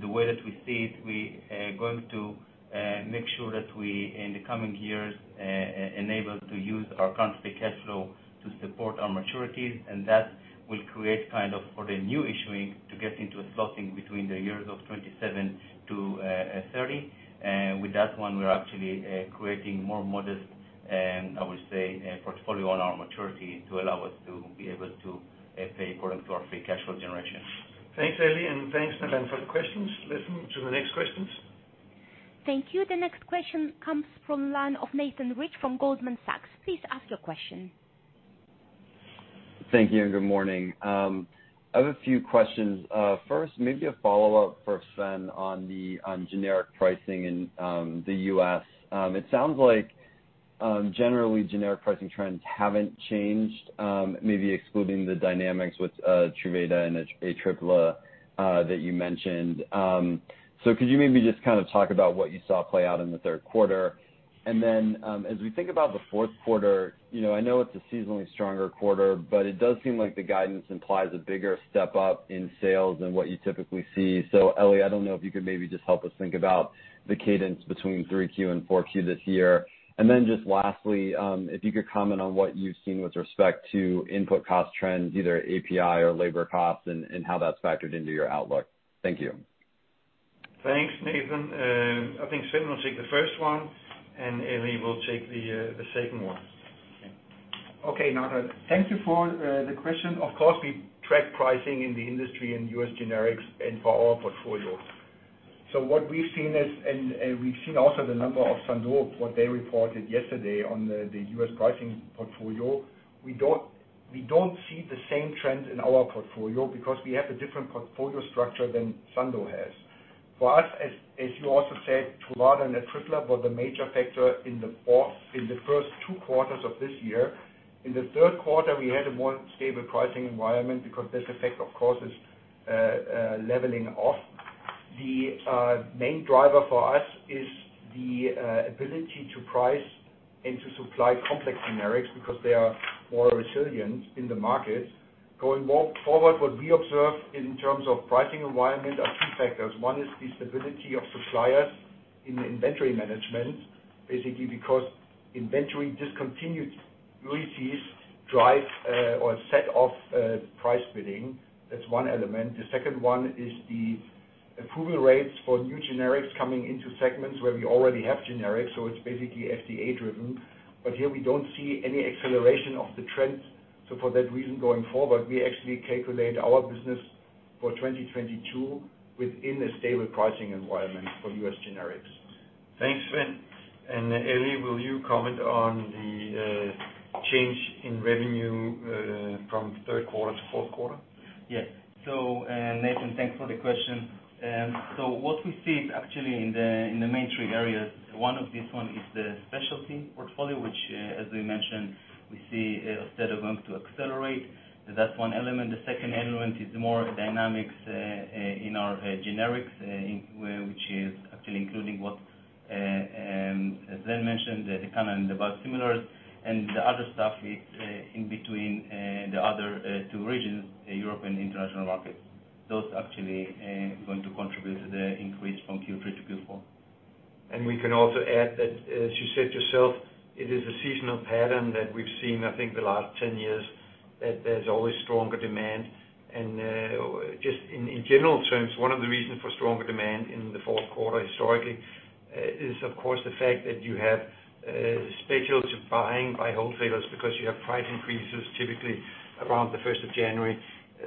the way that we see it, we are going to make sure that we, in the coming years, be able to use our current free cash flow to support our maturities, and that will create kind of for the new issuance to get into a slot in between the years of 2027 to 2030. With that one, we are actually creating more modest, I would say, portfolio on our maturity to allow us to be able to pay according to our free cash flow generation. Thanks, Eli, and thanks, Navann, for the questions. Let's move to the next questions. Thank you. The next question comes from the line of Nathan Roth from Goldman Sachs. Please ask your question. Thank you and good morning. I have a few questions. First, maybe a follow-up for Sven on generic pricing in the U.S. It sounds like generally generic pricing trends haven't changed, maybe excluding the dynamics with Truvada and Atripla that you mentioned. Could you maybe just kind of talk about what you saw play out in the third quarter? Then, as we think about the fourth quarter, you know, I know it's a seasonally stronger quarter, but it does seem like the guidance implies a bigger step up in sales than what you typically see. Eli, I don't know if you could maybe just help us think about the cadence between 3Q and 4Q this year. Just lastly, if you could comment on what you've seen with respect to input cost trends, either API or labor costs, and how that's factored into your outlook. Thank you. Thanks, Nathan. I think Sven will take the first one, and Eli will take the second one. Okay, Nathan. Thank you for the question. Of course, we track pricing in the industry in US generics and for our portfolio. What we've seen is the numbers Sandoz reported yesterday on the US pricing portfolio. We don't see the same trends in our portfolio because we have a different portfolio structure than Sandoz has. For us, as you also said, Truvada and Atripla were the major factor in the first two quarters of this year. In the third quarter, we had a more stable pricing environment because this effect, of course, is leveling off. The main driver for us is the ability to price and to supply complex generics because they are more resilient in the market. Going forward, what we observe in terms of pricing environment are two factors. One is the stability of suppliers in the inventory management, basically because inventory discontinued releases drive, or set off, price bidding. That's one element. The second one is the approval rates for new generics coming into segments where we already have generics, so it's basically FDA-driven. But here we don't see any acceleration of the trend. For that reason going forward, we actually calculate our business for 2022 within a stable pricing environment for US generics. Thanks, Sven. Eli, will you comment on the change in revenue from third quarter to fourth quarter? Yes, Nathan, thanks for the question. What we see is actually in the main three areas, one is the specialty portfolio, which as we mentioned, we see instead of going to accelerate, that's one element. The second element is more dynamics in our generics, which is actually including what as Sven mentioned, the Tecfidera and the biosimilars. The other stuff is in the other two regions, Europe and international markets. Those actually going to contribute to the increase from Q3 to Q4. We can also add that, as you said yourself, it is a seasonal pattern that we've seen, I think, the last 10 years, that there's always stronger demand. Just in general terms, one of the reasons for stronger demand in the fourth quarter historically is, of course, the fact that you have specialty buying by wholesalers because you have price increases typically around the first of January.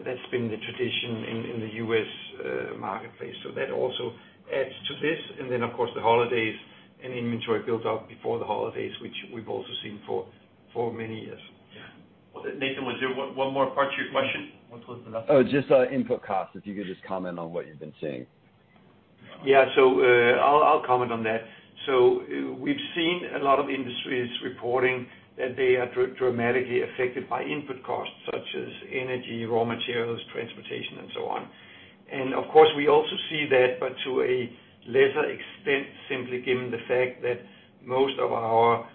That's been the tradition in the US marketplace. That also adds to this. Then, of course, the holidays and inventory builds up before the holidays, which we've also seen for many years. Yeah. Nathan, was there one more part to your question? What was the last one? Oh, just input cost, if you could just comment on what you've been seeing? I'll comment on that. We've seen a lot of industries reporting that they are dramatically affected by input costs such as energy, raw materials, transportation, and so on. Of course, we also see that, but to a lesser extent, simply given the fact that most of our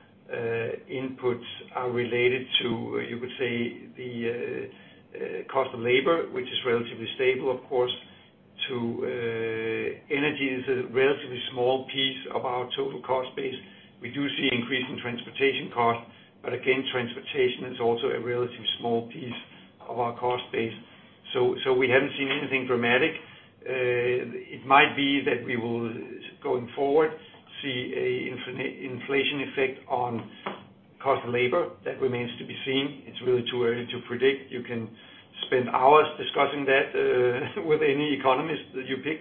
inputs are related to, you could say, the cost of labor, which is relatively stable, of course, to energy is a relatively small piece of our total cost base. We do see increase in transportation costs, but again, transportation is also a relatively small piece of our cost base. We haven't seen anything dramatic. It might be that we will, going forward, see a inflation effect on cost of labor. That remains to be seen. It's really too early to predict. You can spend hours discussing that, with any economist that you pick.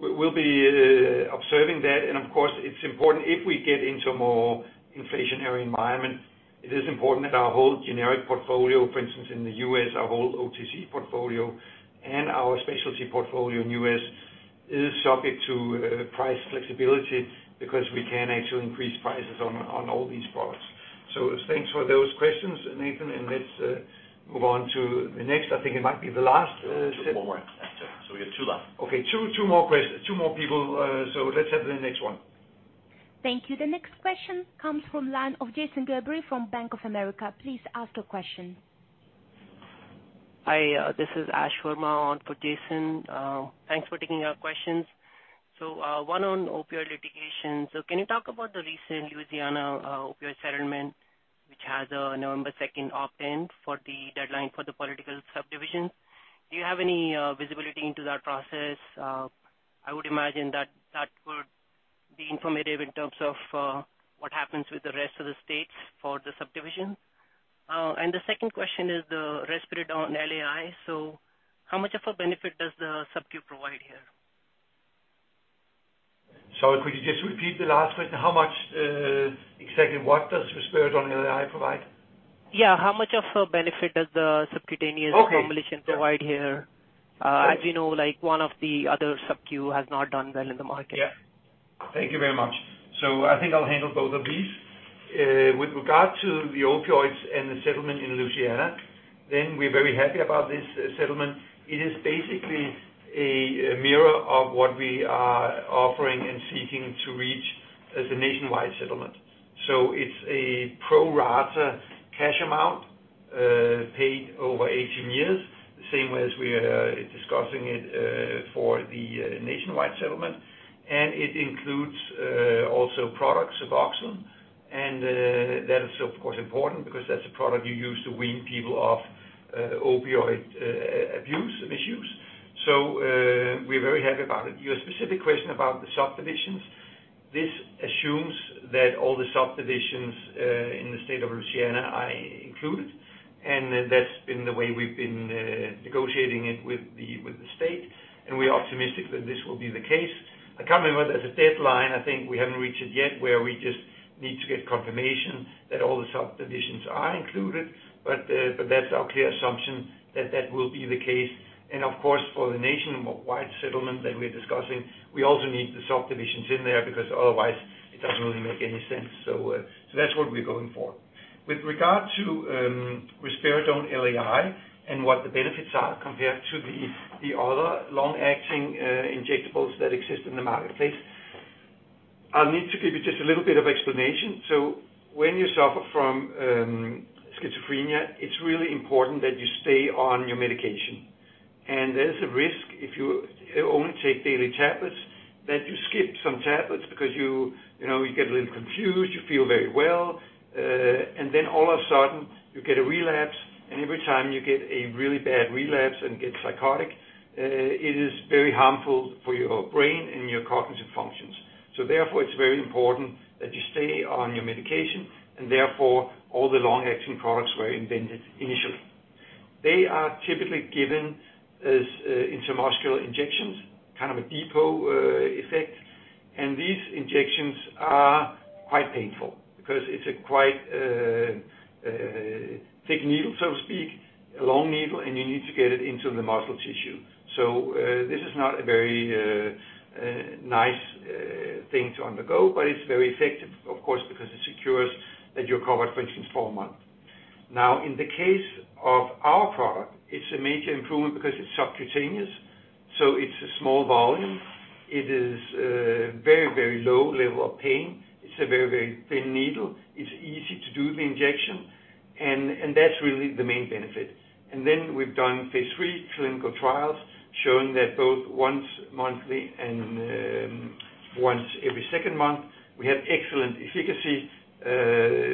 We'll be observing that. Of course, it's important if we get into a more inflationary environment. It is important that our whole generic portfolio, for instance, in the U.S., our whole OTC portfolio and our specialty portfolio in U.S. is subject to price flexibility because we can actually increase prices on all these products. Thanks for those questions, Nathan, and let's move on to the next. I think it might be the last. Two more. We have two left. Okay. Two more people. Let's have the next one. Thank you. The next question comes from the line of Jason Gerberry from Bank of America. Please ask your question. Hi, this is Ashish Verma on for Jason. Thanks for taking our questions. One on opioid litigation. Can you talk about the recent Louisiana opioid settlement, which has a November 2nd opt-in for the deadline for the political subdivisions? Do you have any visibility into that process? I would imagine that that would be informative in terms of what happens with the rest of the states for the subdivisions. The second question is the Risperidone LAI. How much of a benefit does the sub-Q provide here? Sorry, could you just repeat the last bit? How much, exactly what does Risperidone LAI provide? Yeah. How much of a benefit does the subcutaneous formulation provide here? As we know, like one of the other sub-Q has not done well in the market. Yeah. Thank you very much. I think I'll handle both of these. With regard to the opioids and the settlement in Louisiana, we're very happy about this settlement. It is basically a mirror of what we are offering and seeking to reach as a nationwide settlement. It's a pro rata cash amount, paid over 18 years, same way as we are discussing it, for the nationwide settlement. It includes also product Suboxone, and that is of course important because that's a product you use to wean people off opioid abuse issues. We're very happy about it. Your specific question about the subdivisions. This assumes that all the subdivisions in the state of Louisiana are included, and that's been the way we've been negotiating it with the state, and we're optimistic that this will be the case. I can't remember. There's a deadline, I think we haven't reached it yet, where we just need to get confirmation that all the subdivisions are included. That's our clear assumption that will be the case. Of course, for the nationwide settlement that we're discussing, we also need the subdivisions in there because otherwise it doesn't really make any sense. That's what we're going for. With regard to Risperidone LAI and what the benefits are compared to the other long-acting injectables that exist in the marketplace, I'll need to give you just a little bit of explanation. When you suffer from schizophrenia, it's really important that you stay on your medication. There's a risk if you only take daily tablets that you skip some tablets because you know you get a little confused, you feel very well, and then all of a sudden you get a relapse. Every time you get a really bad relapse and get psychotic, it is very harmful for your brain and your cognitive functions. Therefore, it's very important that you stay on your medication, and therefore, all the long-acting products were invented initially. They are typically given as intramuscular injections, kind of a depot effect. These injections are quite painful because it's a quite thick needle, so to speak, a long needle, and you need to get it into the muscle tissue. This is not a very nice thing to undergo, but it's very effective, of course, because it secures that you're covered for at least four months. Now, in the case of our product, it's a major improvement because it's subcutaneous, so it's a small volume. It is a very, very low level of pain. It's a very, very thin needle. It's easy to do the injection, and that's really the main benefit. Then we've done phase III clinical trials showing that both once monthly and once every second month, we have excellent efficacy,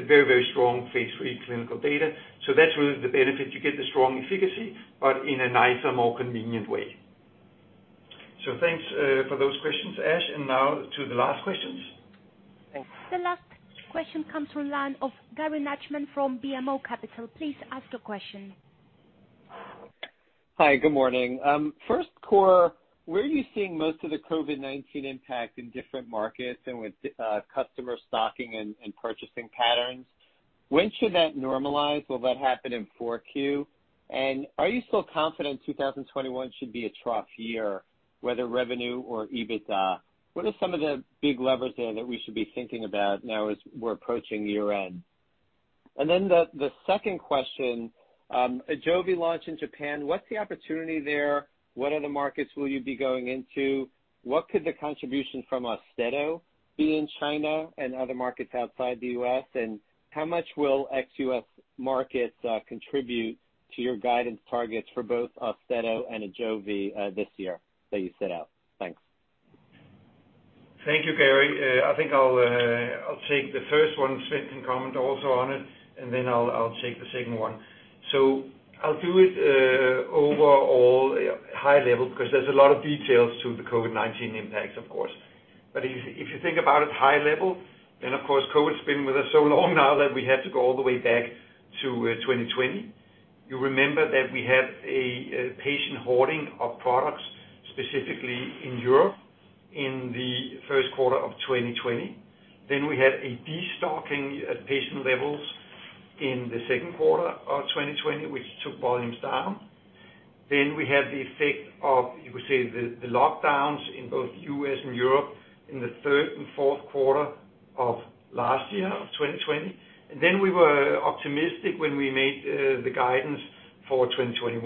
very, very strong phase III clinical data. That's really the benefit. You get the strong efficacy, but in a nicer, more convenient way. Thanks for those questions, Ash. Now to the last questions. Thanks. The last question comes from the line of Gary Nachman from BMO Capital. Please ask your question. Hi. Good morning. First, Kåre, where are you seeing most of the COVID-19 impact in different markets and with customer stocking and purchasing patterns? When should that normalize? Will that happen in Q4? Are you still confident 2021 should be a trough year, whether revenue or EBITDA? What are some of the big levers there that we should be thinking about now as we're approaching year-end? The second question, AJOVY launch in Japan, what's the opportunity there? What other markets will you be going into? What could the contribution from AUSTEDO be in China and other markets outside the U.S.? How much will ex-US markets contribute to your guidance targets for both AUSTEDO and AJOVY, this year that you set out? Thanks. Thank you, Gary. I think I'll take the first one, Sven can comment also on it, and then I'll take the second one. I'll do it overall high level because there's a lot of details to the COVID-19 impacts, of course. If you think about it high level, then of course, COVID's been with us so long now that we have to go all the way back to 2020. You remember that we had a patient hoarding of products, specifically in Europe in the first quarter of 2020. We had a destocking at patient levels in the second quarter of 2020, which took volumes down. We had the effect of, you could say, the lockdowns in both U.S. and Europe in the third and fourth quarter of last year, of 2020. We were optimistic when we made the guidance for 2021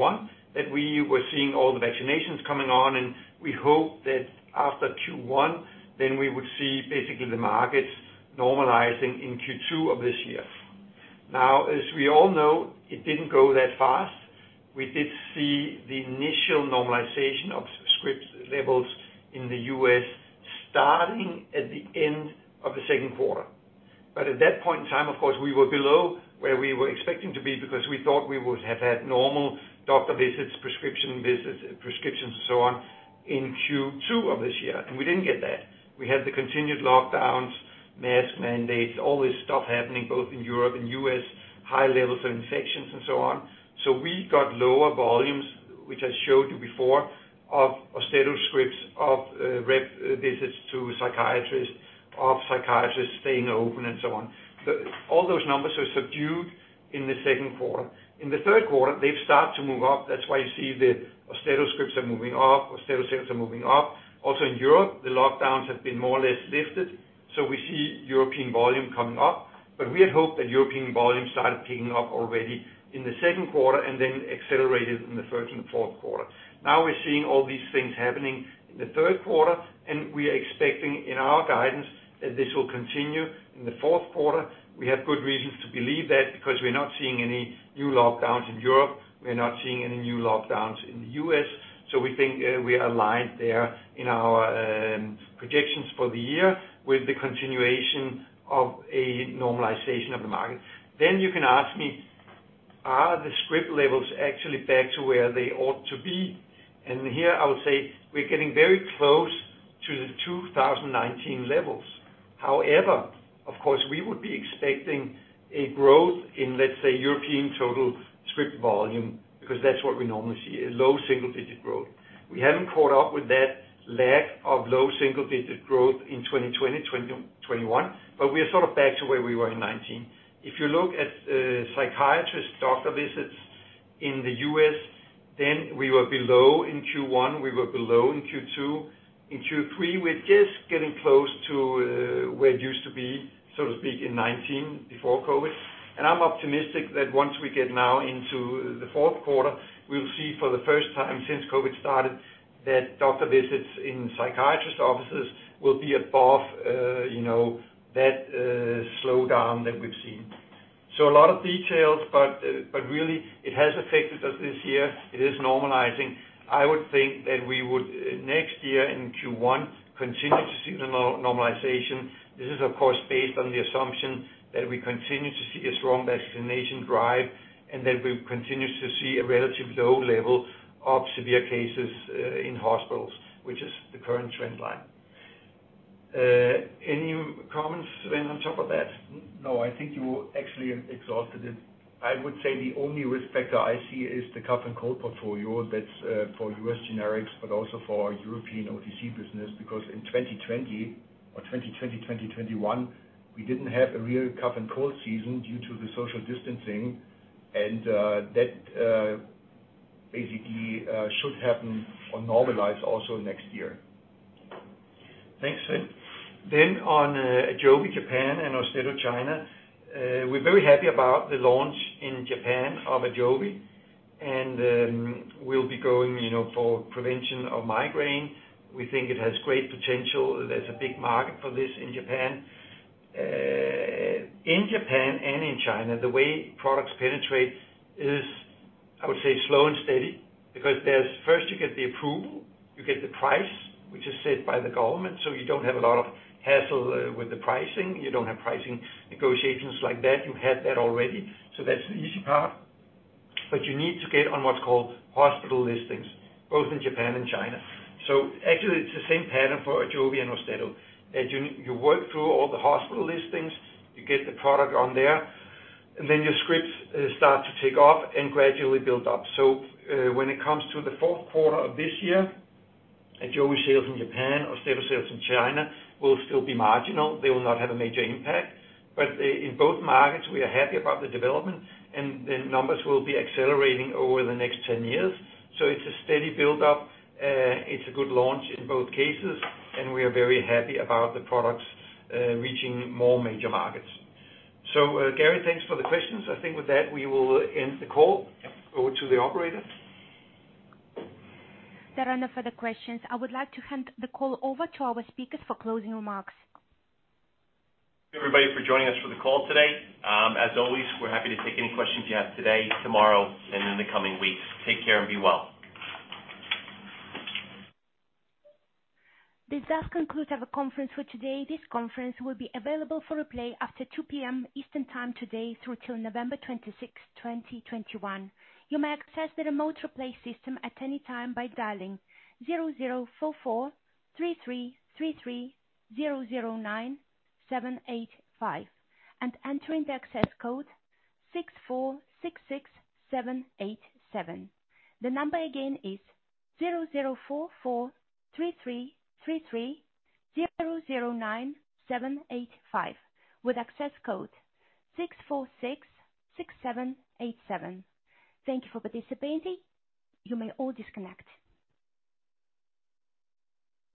that we were seeing all the vaccinations coming on, and we hope that after Q1, then we would see basically the markets normalizing in Q2 of this year. Now, as we all know, it didn't go that fast. We did see the initial normalization of script levels in the U.S. starting at the end of the second quarter. At that point in time, of course, we were below where we were expecting to be because we thought we would have had normal doctor visits, prescription visits, prescriptions and so on in Q2 of this year, and we didn't get that. We had the continued lockdowns, mask mandates, all this stuff happening both in Europe and U.S., high levels of infections and so on. We got lower volumes, which I showed you before, of AUSTEDO scripts, of rep visits to psychiatrists, of psychiatrists staying open and so on. All those numbers are subdued in the second quarter. In the third quarter, they've started to move up. That's why you see the AUSTEDO scripts are moving up, AUSTEDO sales are moving up. Also in Europe, the lockdowns have been more or less lifted, so we see European volume coming up. But we had hoped that European volume started picking up already in the second quarter and then accelerated in the third and fourth quarter. Now we're seeing all these things happening in the third quarter, and we are expecting in our guidance that this will continue in the fourth quarter. We have good reasons to believe that because we're not seeing any new lockdowns in Europe, we're not seeing any new lockdowns in the U.S., so we think we are aligned there in our projections for the year with the continuation of a normalization of the market. Then you can ask me, are the script levels actually back to where they ought to be? Here I would say we're getting very close to the 2019 levels. However, of course, we would be expecting a growth in, let's say, European total script volume, because that's what we normally see, a low single-digit growth. We haven't caught up with that lag of low single-digit growth in 2020, 2021, but we are sort of back to where we were in 2019. If you look at psychiatrist doctor visits in the U.S., then we were below in Q1, we were below in Q2. In Q3, we're just getting close to where it used to be, so to speak, in 2019 before COVID-19. I'm optimistic that once we get now into the fourth quarter, we'll see for the first time since COVID-19 started, that doctor visits in psychiatrist offices will be above, you know, that slowdown that we've seen. A lot of details, really it has affected us this year. It is normalizing. I would think that we would next year in Q1 continue to see the normalization. This is, of course, based on the assumption that we continue to see a strong vaccination drive and that we continue to see a relatively low level of severe cases in hospitals, which is the current trend line. Any comments, Sven, on top of that? No, I think you actually exhausted it. I would say the only risk factor I see is the cough and cold portfolio that's for U.S. generics, but also for our European OTC business, because in 2020 or 2021, we didn't have a real cough and cold season due to the social distancing, and that basically should happen or normalize also next year. Thanks, Sven. On AJOVY, Japan and AUSTEDO, China. We're very happy about the launch in Japan of AJOVY, and we'll be going, you know, for prevention of migraine. We think it has great potential. There's a big market for this in Japan. In Japan and in China, the way products penetrate is, I would say, slow and steady because first you get the approval, you get the price, which is set by the government. You don't have a lot of hassle with the pricing. You don't have pricing negotiations like that. You had that already. That's the easy part. You need to get on what's called hospital listings, both in Japan and China. Actually it's the same pattern for AJOVY and AUSTEDO. As you work through all the hospital listings, you get the product on there, and then your scripts start to take off and gradually build up. When it comes to the fourth quarter of this year, AJOVY sales in Japan, AUSTEDO sales in China will still be marginal. They will not have a major impact. In both markets, we are happy about the development and the numbers will be accelerating over the next 10 years. It's a steady build up. It's a good launch in both cases and we are very happy about the products reaching more major markets. Gary, thanks for the questions. I think with that we will end the call. Yep. Over to the operator. There are no further questions. I would like to hand the call over to our speakers for closing remarks. Thank you everybody for joining us for the call today. As always, we're happy to take any questions you have today, tomorrow, and in the coming weeks. Take care and be well. This does conclude our conference for today. Thank you for participating. You may all disconnect.